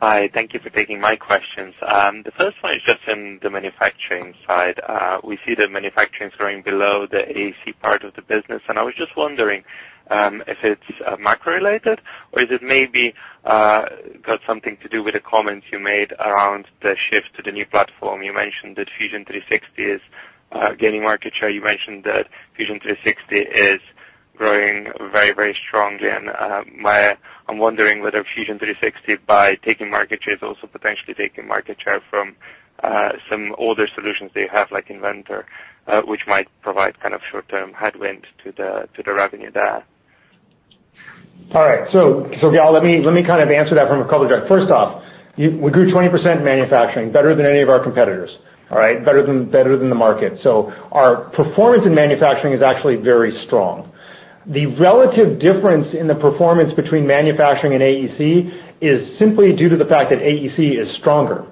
Hi. Thank you for taking my questions. The first one is just in the manufacturing side. We see the manufacturing is growing below the AEC part of the business. I was just wondering if it's macro-related, or is it maybe got something to do with the comments you made around the shift to the new platform. You mentioned that Fusion 360 is gaining market share. You mentioned that Fusion 360 is growing very strongly. I'm wondering whether Fusion 360, by taking market share, is also potentially taking market share from some older solutions they have, like Inventor, which might provide kind of short-term headwind to the revenue there. All right. Gal, let me kind of answer that from a couple of directions. First off, we grew 20% in manufacturing, better than any of our competitors. Better than the market. Our performance in manufacturing is actually very strong. The relative difference in the performance between manufacturing and AEC is simply due to the fact that AEC is stronger.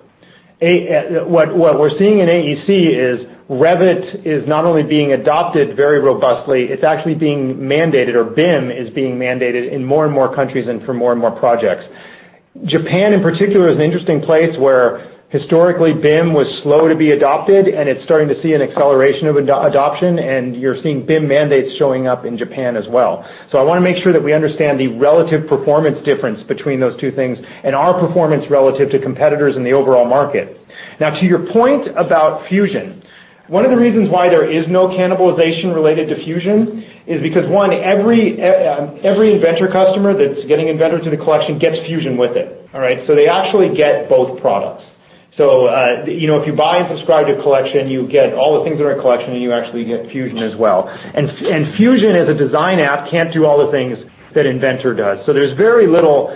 What we're seeing in AEC is Revit is not only being adopted very robustly, it's actually being mandated, or BIM is being mandated in more and more countries and for more and more projects. Japan in particular is an interesting place, where historically BIM was slow to be adopted, and it's starting to see an acceleration of adoption, and you're seeing BIM mandates showing up in Japan as well. I want to make sure that we understand the relative performance difference between those two things and our performance relative to competitors in the overall market. To your point about Fusion, one of the reasons why there is no cannibalization related to Fusion is because, one, every Inventor customer that's getting Inventor to the Collection gets Fusion with it. They actually get both products. If you buy and subscribe to Collection, you get all the things that are in Collection, and you actually get Fusion as well. Fusion as a design app can't do all the things that Inventor does. There's very little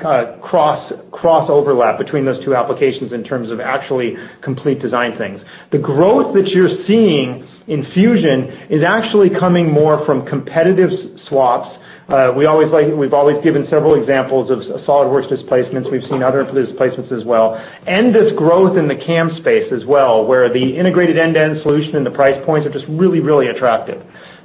cross-overlap between those two applications in terms of actually complete design things. The growth that you're seeing in Fusion is actually coming more from competitive swaps. We've always given several examples of SolidWorks displacements. We've seen other displacements as well. This growth in the CAM space as well, where the integrated end-to-end solution and the price points are just really attractive.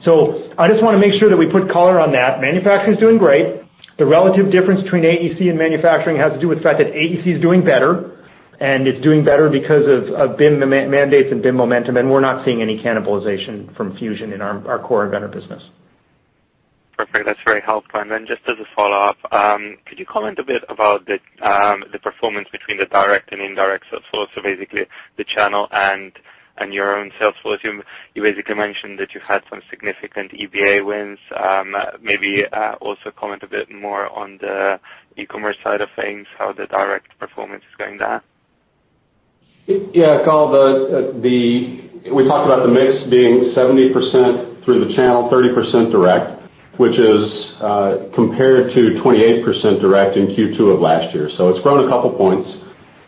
I just want to make sure that we put color on that. Manufacturing's doing great. The relative difference between AEC and manufacturing has to do with the fact that AEC is doing better, and it's doing better because of BIM mandates and BIM momentum, and we're not seeing any cannibalization from Fusion in our core Inventor business. Perfect. That's very helpful. Just as a follow-up, could you comment a bit about the performance between the direct and indirect source, so basically the channel and your own sales force? You basically mentioned that you had some significant EBA wins. Also comment a bit more on the e-commerce side of things, how the direct performance is going there. Yeah. Gal, we talked about the mix being 70% through the channel, 30% direct, which is compared to 28% direct in Q2 of last year. It's grown a couple points.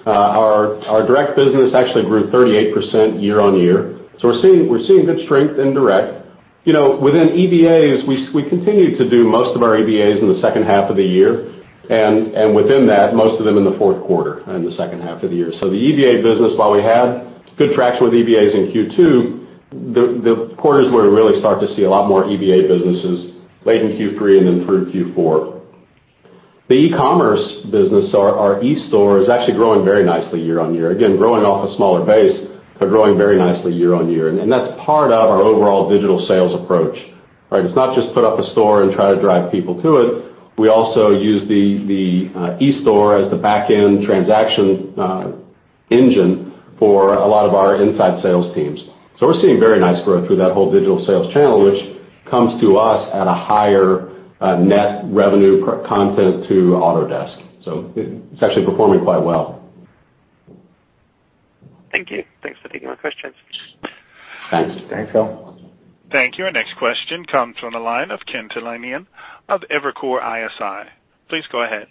Our direct business actually grew 38% year-over-year. We're seeing good strength in direct. Within EBAs, we continue to do most of our EBAs in the second half of the year, and within that, most of them in the fourth quarter and the second half of the year. The EBA business, while we had good traction with EBAs in Q2, the quarters where we really start to see a lot more EBA businesses, late in Q3 and then through Q4. The e-commerce business, our eStore, is actually growing very nicely year-over-year. Again, growing off a smaller base, but growing very nicely year-over-year. That's part of our overall digital sales approach. It's not just put up a store and try to drive people to it. We also use the eStore as the back-end transaction engine for a lot of our inside sales teams. We're seeing very nice growth through that whole digital sales channel, which comes to us at a higher net revenue content to Autodesk. It's actually performing quite well. Thank you. Thanks for taking my questions. Thanks. Thanks, Gal. Thank you. Our next question comes from the line of Ken Talanian of Evercore ISI. Please go ahead.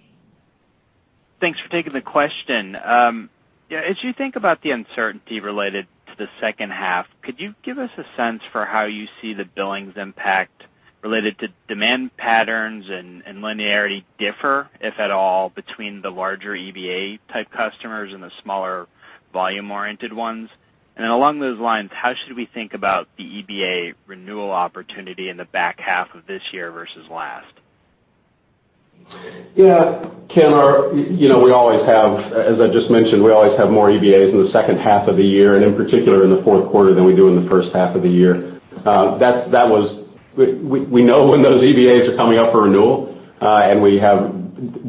Thanks for taking the question. As you think about the uncertainty related to the second half, could you give us a sense for how you see the billings impact related to demand patterns and linearity differ, if at all, between the larger EBA-type customers and the smaller volume-oriented ones? Along those lines, how should we think about the EBA renewal opportunity in the back half of this year versus last? Ken, as I just mentioned, we always have more EBAs in the second half of the year, and in particular in the fourth quarter, than we do in the first half of the year. We know when those EBAs are coming up for renewal. We have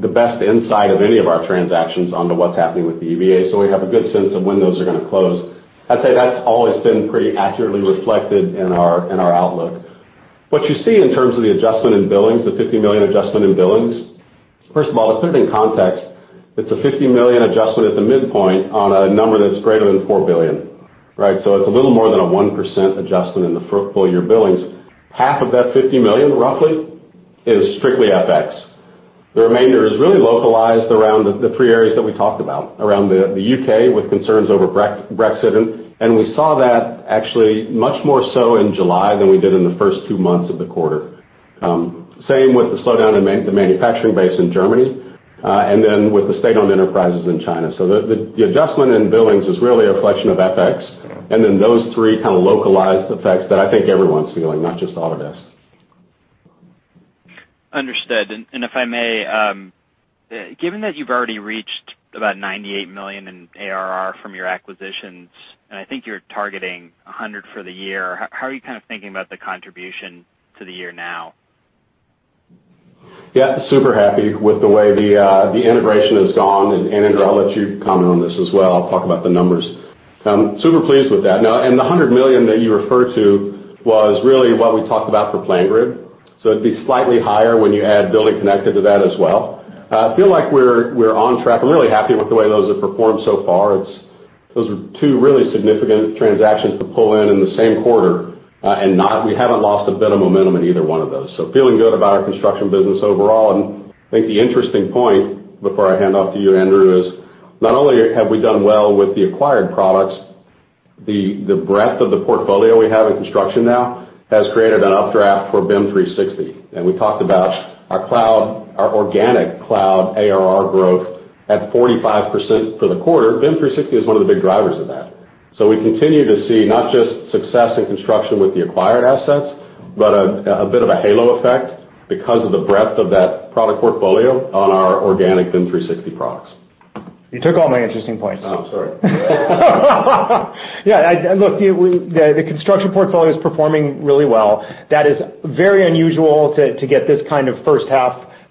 the best insight of any of our transactions onto what's happening with the EBA, so we have a good sense of when those are going to close. I'd say that's always been pretty accurately reflected in our outlook. What you see in terms of the adjustment in billings, the $50 million adjustment in billings, first of all, to put it in context, it's a $50 million adjustment at the midpoint on a number that's greater than $4 billion. It's a little more than a 1% adjustment in the full-year billings. Half of that $50 million, roughly, is strictly FX. The remainder is really localized around the three areas that we talked about, around the U.K. with concerns over Brexit. We saw that actually much more so in July than we did in the first two months of the quarter. Same with the slowdown in the manufacturing base in Germany, and then with the state-owned enterprises in China. The adjustment in billings is really a reflection of FX and then those three kind of localized effects that I think everyone's feeling, not just Autodesk. Understood. If I may, given that you've already reached about $98 million in ARR from your acquisitions, I think you're targeting $100 million for the year, how are you kind of thinking about the contribution to the year now? Super happy with the way the integration has gone. Andrew, I'll let you comment on this as well. I'll talk about the numbers. Super pleased with that. The $100 million that you referred to was really what we talked about for PlanGrid. It'd be slightly higher when you add BuildingConnected to that as well. I feel like we're on track. I'm really happy with the way those have performed so far. Those are two really significant transactions to pull in the same quarter, and we haven't lost a bit of momentum in either one of those. Feeling good about our construction business overall. I think the interesting point, before I hand off to you, Andrew, is not only have we done well with the acquired products, the breadth of the portfolio we have in construction now has created an updraft for BIM 360. We talked about our organic cloud ARR growth at 45% for the quarter. BIM 360 is one of the big drivers of that. We continue to see not just success in construction with the acquired assets, but a bit of a halo effect because of the breadth of that product portfolio on our organic BIM 360 products. You took all my interesting points. Oh, I'm sorry. Yeah, look, the construction portfolio is performing really well. That is very unusual to get this kind of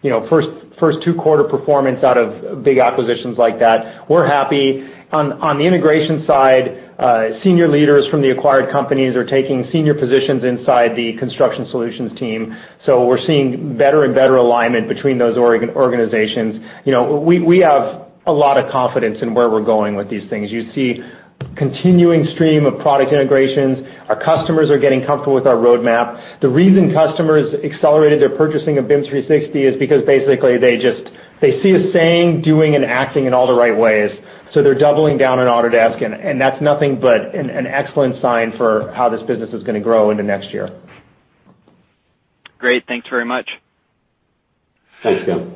first two quarter performance out of big acquisitions like that. We're happy. On the integration side, senior leaders from the acquired companies are taking senior positions inside the construction solutions team. We're seeing better and better alignment between those organizations. We have a lot of confidence in where we're going with these things. You see a continuing stream of product integrations. Our customers are getting comfortable with our roadmap. The reason customers accelerated their purchasing of BIM 360 is because basically they see us saying, doing, and acting in all the right ways. They're doubling down on Autodesk, and that's nothing but an excellent sign for how this business is going to grow into next year. Great. Thanks very much. Thanks, Ken.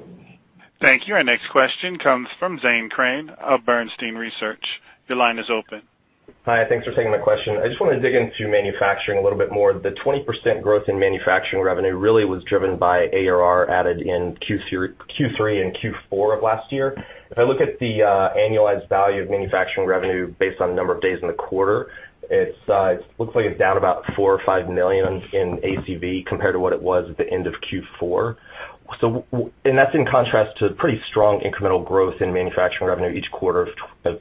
Thank you. Our next question comes from Zane Chrane of Bernstein Research. Your line is open. Hi. Thanks for taking my question. I just want to dig into manufacturing a little bit more. The 20% growth in manufacturing revenue really was driven by ARR added in Q3 and Q4 of last year. If I look at the annualized value of manufacturing revenue based on the number of days in the quarter, it looks like it's down about $four or five million in ACV compared to what it was at the end of Q4. That's in contrast to pretty strong incremental growth in manufacturing revenue each quarter of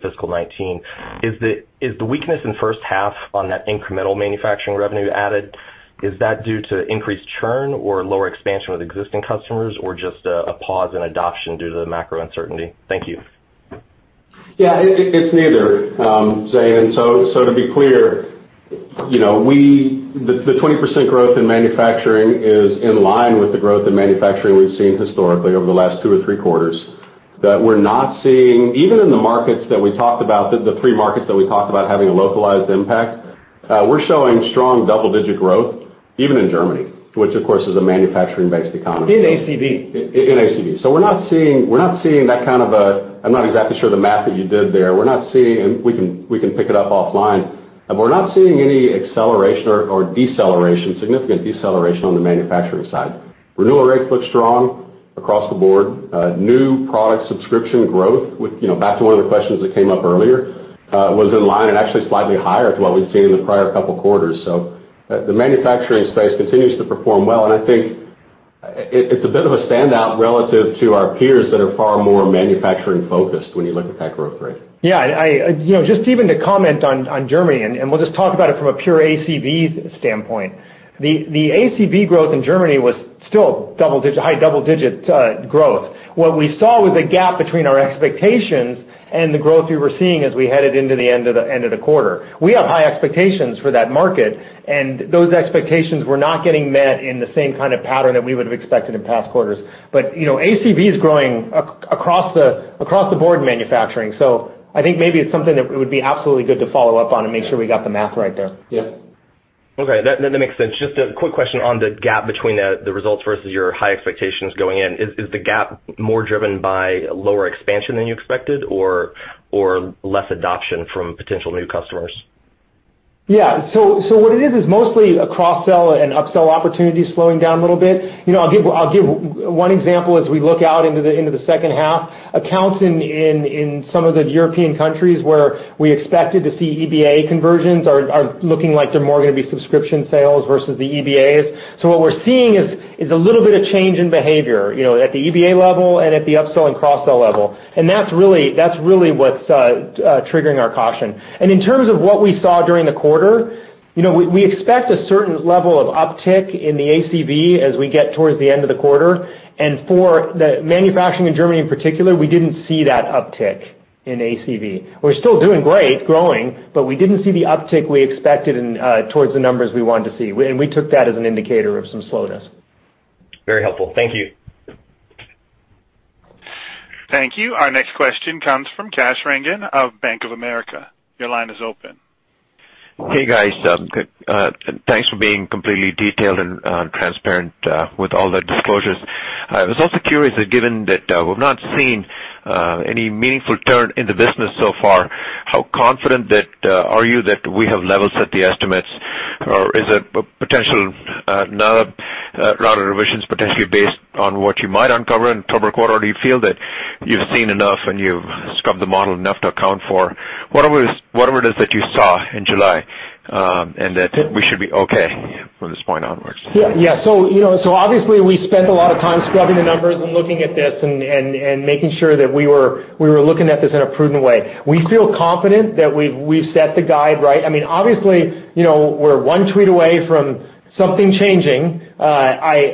fiscal 2019. Is the weakness in the first half on that incremental manufacturing revenue added, is that due to increased churn or lower expansion with existing customers, or just a pause in adoption due to the macro uncertainty? Thank you. Yeah, it's neither, Zane. To be clear, the 20% growth in manufacturing is in line with the growth in manufacturing we've seen historically over the last two or three quarters. That we're not seeing, even in the markets that we talked about, the three markets that we talked about having a localized impact, we're showing strong double-digit growth, even in Germany, which of course is a manufacturing-based economy. In ACV. In ACV. We're not seeing that kind of I'm not exactly sure the math that you did there. We can pick it up offline. We're not seeing any acceleration or significant deceleration on the manufacturing side. Renewal rates look strong across the board. New product subscription growth, back to one of the questions that came up earlier, was in line and actually slightly higher to what we've seen in the prior couple of quarters. The manufacturing space continues to perform well, and I think it's a bit of a standout relative to our peers that are far more manufacturing-focused when you look at that growth rate. Yeah. Just even to comment on Germany, we'll just talk about it from a pure ACV standpoint. The ACV growth in Germany was still high double-digit growth. What we saw was a gap between our expectations and the growth we were seeing as we headed into the end of the quarter. We have high expectations for that market, those expectations were not getting met in the same kind of pattern that we would've expected in past quarters. ACV is growing across the board in manufacturing. I think maybe it's something that would be absolutely good to follow up on and make sure we got the math right there. Yeah. Okay. That makes sense. Just a quick question on the gap between the results versus your high expectations going in. Is the gap more driven by lower expansion than you expected, or less adoption from potential new customers? Yeah. What it is mostly a cross-sell and up-sell opportunities slowing down a little bit. I'll give one example as we look out into the second half. Accounts in some of the European countries, where we expected to see EBA conversions, are looking like they're more going to be subscription sales versus the EBAs. What we're seeing is a little bit of change in behavior at the EBA level and at the up-sell and cross-sell level. That's really what's triggering our caution. In terms of what we saw during the quarter, we expect a certain level of uptick in the ACV as we get towards the end of the quarter. For the manufacturing in Germany in particular, we didn't see that uptick in ACV. We're still doing great, growing, but we didn't see the uptick we expected towards the numbers we wanted to see. We took that as an indicator of some slowness. Very helpful. Thank you. Thank you. Our next question comes from Kash Rangan of Bank of America. Your line is open. Hey, guys. Thanks for being completely detailed and transparent with all the disclosures. I was also curious that given that we've not seen any meaningful turn in the business so far, how confident are you that we have level-set the estimates? Or is it a potential round of revisions potentially based on what you might uncover in the October quarter, or do you feel that you've seen enough and you've scrubbed the model enough to account for whatever it is that you saw in July, and that we should be okay from this point onwards? Yeah. Obviously, we spent a lot of time scrubbing the numbers and looking at this, and making sure that we were looking at this in a prudent way. We feel confident that we've set the guide right. Obviously, we're one tweet away from something changing. Unless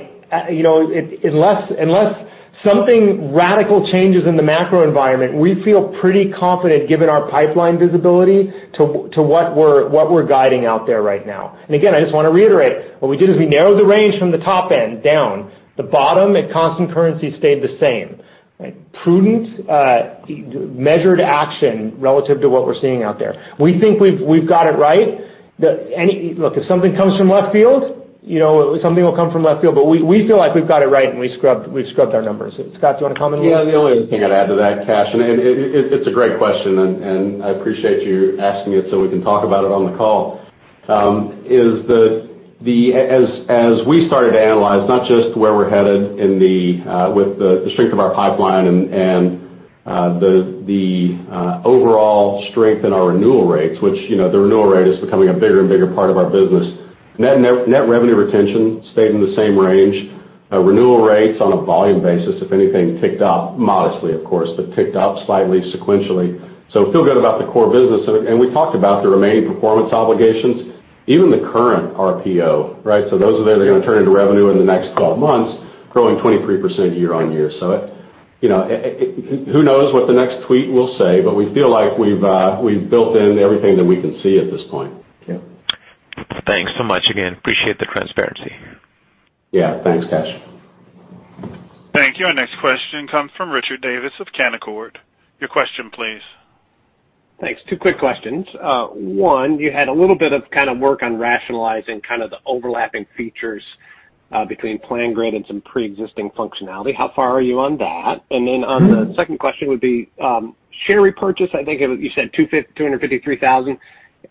something radical changes in the macro environment, we feel pretty confident given our pipeline visibility to what we're guiding out there right now. Again, I just want to reiterate, what we did is we narrowed the range from the top end down. The bottom at constant currency stayed the same. Prudent, measured action relative to what we're seeing out there. We think we've got it right. Look, if something comes from left field, something will come from left field. We feel like we've got it right and we've scrubbed our numbers. Scott, do you want to comment a little? The only thing I'd add to that, Kash, it's a great question, I appreciate you asking it so we can talk about it on the call. As we started to analyze not just where we're headed with the strength of our pipeline and the overall strength in our renewal rates. The renewal rate is becoming a bigger and bigger part of our business. Net revenue retention stayed in the same range. Renewal rates on a volume basis, if anything, ticked up modestly, of course, but ticked up slightly sequentially. Feel good about the core business. We talked about the remaining performance obligations, even the current RPO, right? Those are going to turn into revenue in the next 12 months, growing 23% year-over-year. Who knows what the next tweet will say, but we feel like we've built in everything that we can see at this point. Yeah. Thanks so much again. Appreciate the transparency. Yeah. Thanks, Kash. Thank you. Our next question comes from Richard Davis of Canaccord. Your question, please. Thanks. Two quick questions. One, you had a little bit of work on rationalizing the overlapping features between PlanGrid and some preexisting functionality. How far are you on that? On the second question would be, share repurchase, I think you said 253,000.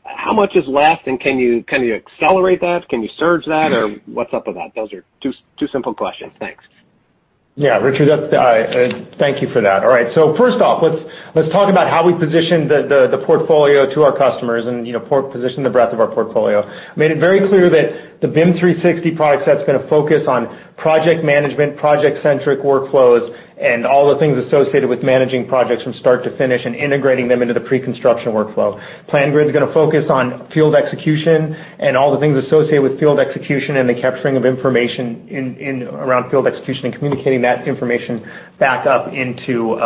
How much is left, and can you accelerate that? Can you surge that, or what's up with that? Those are two simple questions. Thanks. Yeah, Richard. Thank you for that. All right. First off, let's talk about how we positioned the portfolio to our customers and positioned the breadth of our portfolio. Made it very clear that the BIM 360 product set's going to focus on project management, project-centric workflows, and all the things associated with managing projects from start to finish and integrating them into the pre-construction workflow. PlanGrid is going to focus on field execution and all the things associated with field execution and the capturing of information around field execution and communicating that information back up into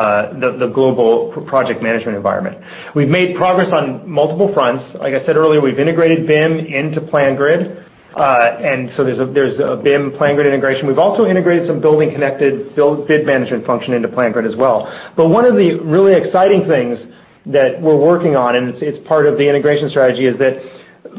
the global project management environment. We've made progress on multiple fronts. Like I said earlier, we've integrated BIM into PlanGrid. There's a BIM PlanGrid integration. We've also integrated some BuildingConnected bid management function into PlanGrid as well. One of the really exciting things that we're working on, and it's part of the integration strategy, is that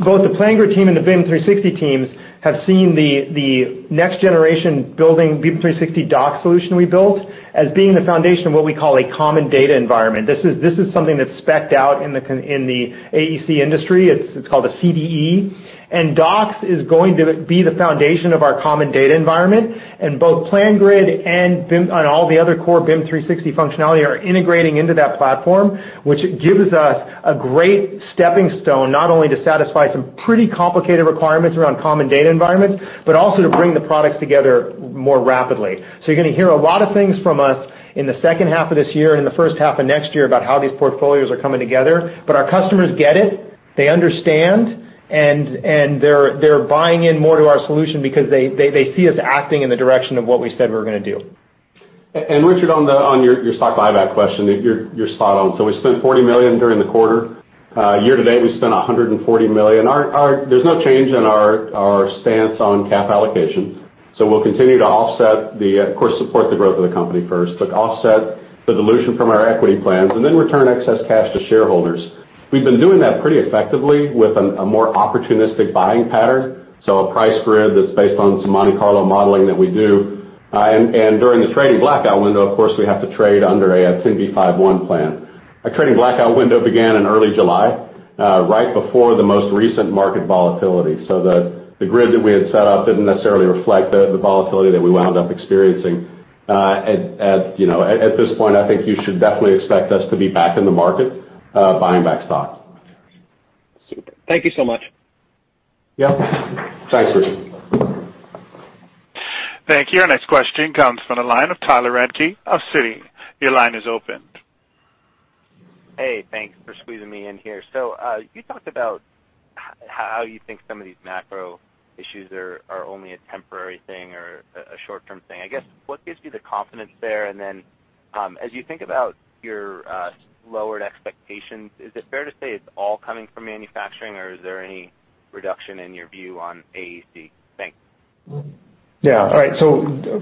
both the PlanGrid team and the BIM 360 teams have seen the next generation building BIM 360 Docs solution we built as being the foundation of what we call a common data environment. This is something that's specced out in the AEC industry. It's called a CDE. Docs is going to be the foundation of our common data environment. Both PlanGrid and all the other core BIM 360 functionality are integrating into that platform, which gives us a great stepping stone, not only to satisfy some pretty complicated requirements around common data environments, but also to bring the products together more rapidly. You're going to hear a lot of things from us in the second half of this year and in the first half of next year about how these portfolios are coming together. Our customers get it. They understand, and they're buying in more to our solution because they see us acting in the direction of what we said we were going to do. Richard, on your stock buyback question, you're spot on. We spent $40 million during the quarter. Year to date, we've spent $140 million. There's no change in our stance on cap allocation. We'll continue to, of course, support the growth of the company first, but offset the dilution from our equity plans and then return excess cash to shareholders. We've been doing that pretty effectively with a more opportunistic buying pattern. A price grid that's based on some Monte Carlo modeling that we do. During the trading blackout window, of course, we have to trade under a 10b5-1 plan. Our trading blackout window began in early July, right before the most recent market volatility. The grid that we had set up didn't necessarily reflect the volatility that we wound up experiencing. At this point, I think you should definitely expect us to be back in the market, buying back stock. Super. Thank you so much. Yep. Thanks, Richard. Thank you. Our next question comes from the line of Tyler Radke of Citi. Your line is open. Hey, thanks for squeezing me in here. You talked about how you think some of these macro issues are only a temporary thing or a short-term thing. I guess, what gives you the confidence there? As you think about your lowered expectations, is it fair to say it's all coming from manufacturing, or is there any reduction in your view on AEC? Thanks. Yeah. All right.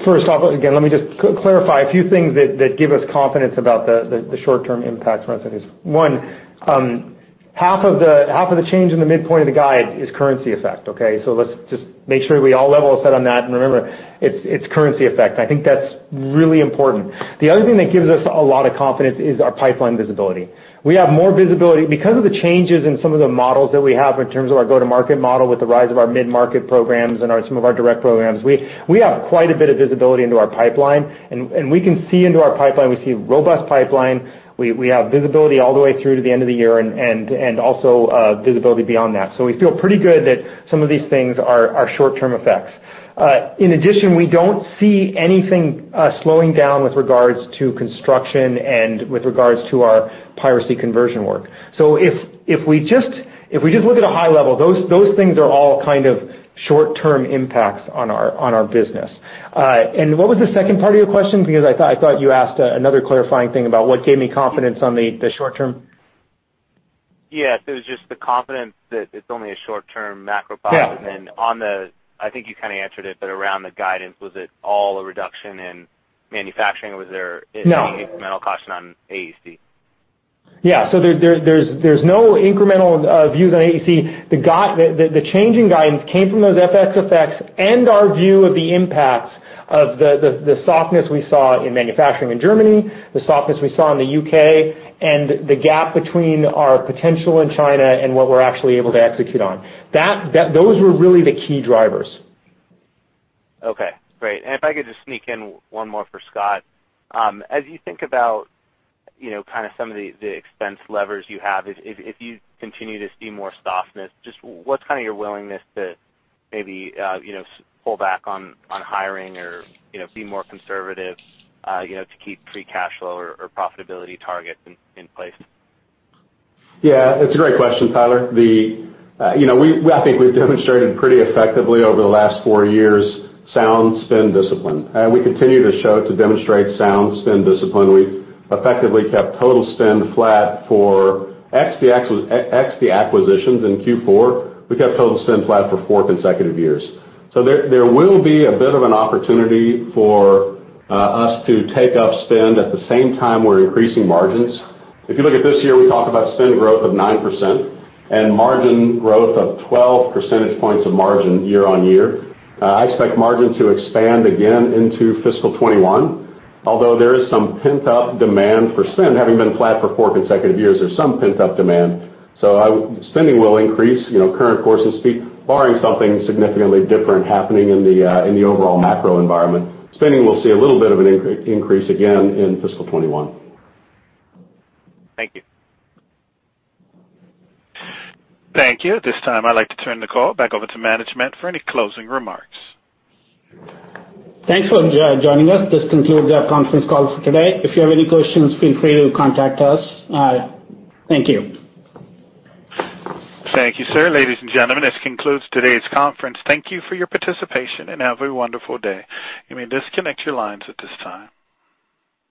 First off, again, let me just clarify a few things that give us confidence about the short-term impact from us. One, half of the change in the midpoint of the guide is currency effect, okay? Let's just make sure we all level our set on that. Remember, it's currency effect. I think that's really important. The other thing that gives us a lot of confidence is our pipeline visibility. We have more visibility. Because of the changes in some of the models that we have in terms of our go-to-market model with the rise of our mid-market programs and some of our direct programs, we have quite a bit of visibility into our pipeline, and we can see into our pipeline. We see a robust pipeline. We have visibility all the way through to the end of the year and also visibility beyond that. We feel pretty good that some of these things are short-term effects. In addition, we don't see anything slowing down with regards to construction and with regards to our piracy conversion work. If we just look at a high level, those things are all kind of short-term impacts on our business. What was the second part of your question? Because I thought you asked another clarifying thing about what gave me confidence on the short term. It was just the confidence that it's only a short-term macro problem. Yeah. I think you kind of answered it, but around the guidance, was it all a reduction in manufacturing, or was there? No any incremental caution on AEC? There's no incremental views on AEC. The changing guidance came from those FX effects and our view of the impacts of the softness we saw in manufacturing in Germany, the softness we saw in the U.K., and the gap between our potential in China and what we're actually able to execute on. Those were really the key drivers. Okay, great. If I could just sneak in one more for Scott. As you think about kind of some of the expense levers you have, if you continue to see more softness, just what's kind of your willingness to maybe pull back on hiring or be more conservative to keep free cash flow or profitability targets in place? Yeah, it's a great question, Tyler. I think we've demonstrated pretty effectively over the last 4 years sound spend discipline. We continue to demonstrate sound spend discipline. We effectively kept total spend flat for, ex the acquisitions in Q4, we kept total spend flat for 4 consecutive years. There will be a bit of an opportunity for us to take up spend at the same time we're increasing margins. If you look at this year, we talk about spend growth of 9% and margin growth of 12 percentage points of margin year-on-year. I expect margin to expand again into fiscal 2021, although there is some pent-up demand for spend. Having been flat for 4 consecutive years, there's some pent-up demand. Spending will increase, current course and speed, barring something significantly different happening in the overall macro environment. Spending will see a little bit of an increase again in fiscal 2021. Thank you. Thank you. At this time, I'd like to turn the call back over to management for any closing remarks. Thanks for joining us. This concludes our conference call for today. If you have any questions, feel free to contact us. Thank you. Thank you, sir. Ladies and gentlemen, this concludes today's conference. Thank you for your participation and have a wonderful day. You may disconnect your lines at this time.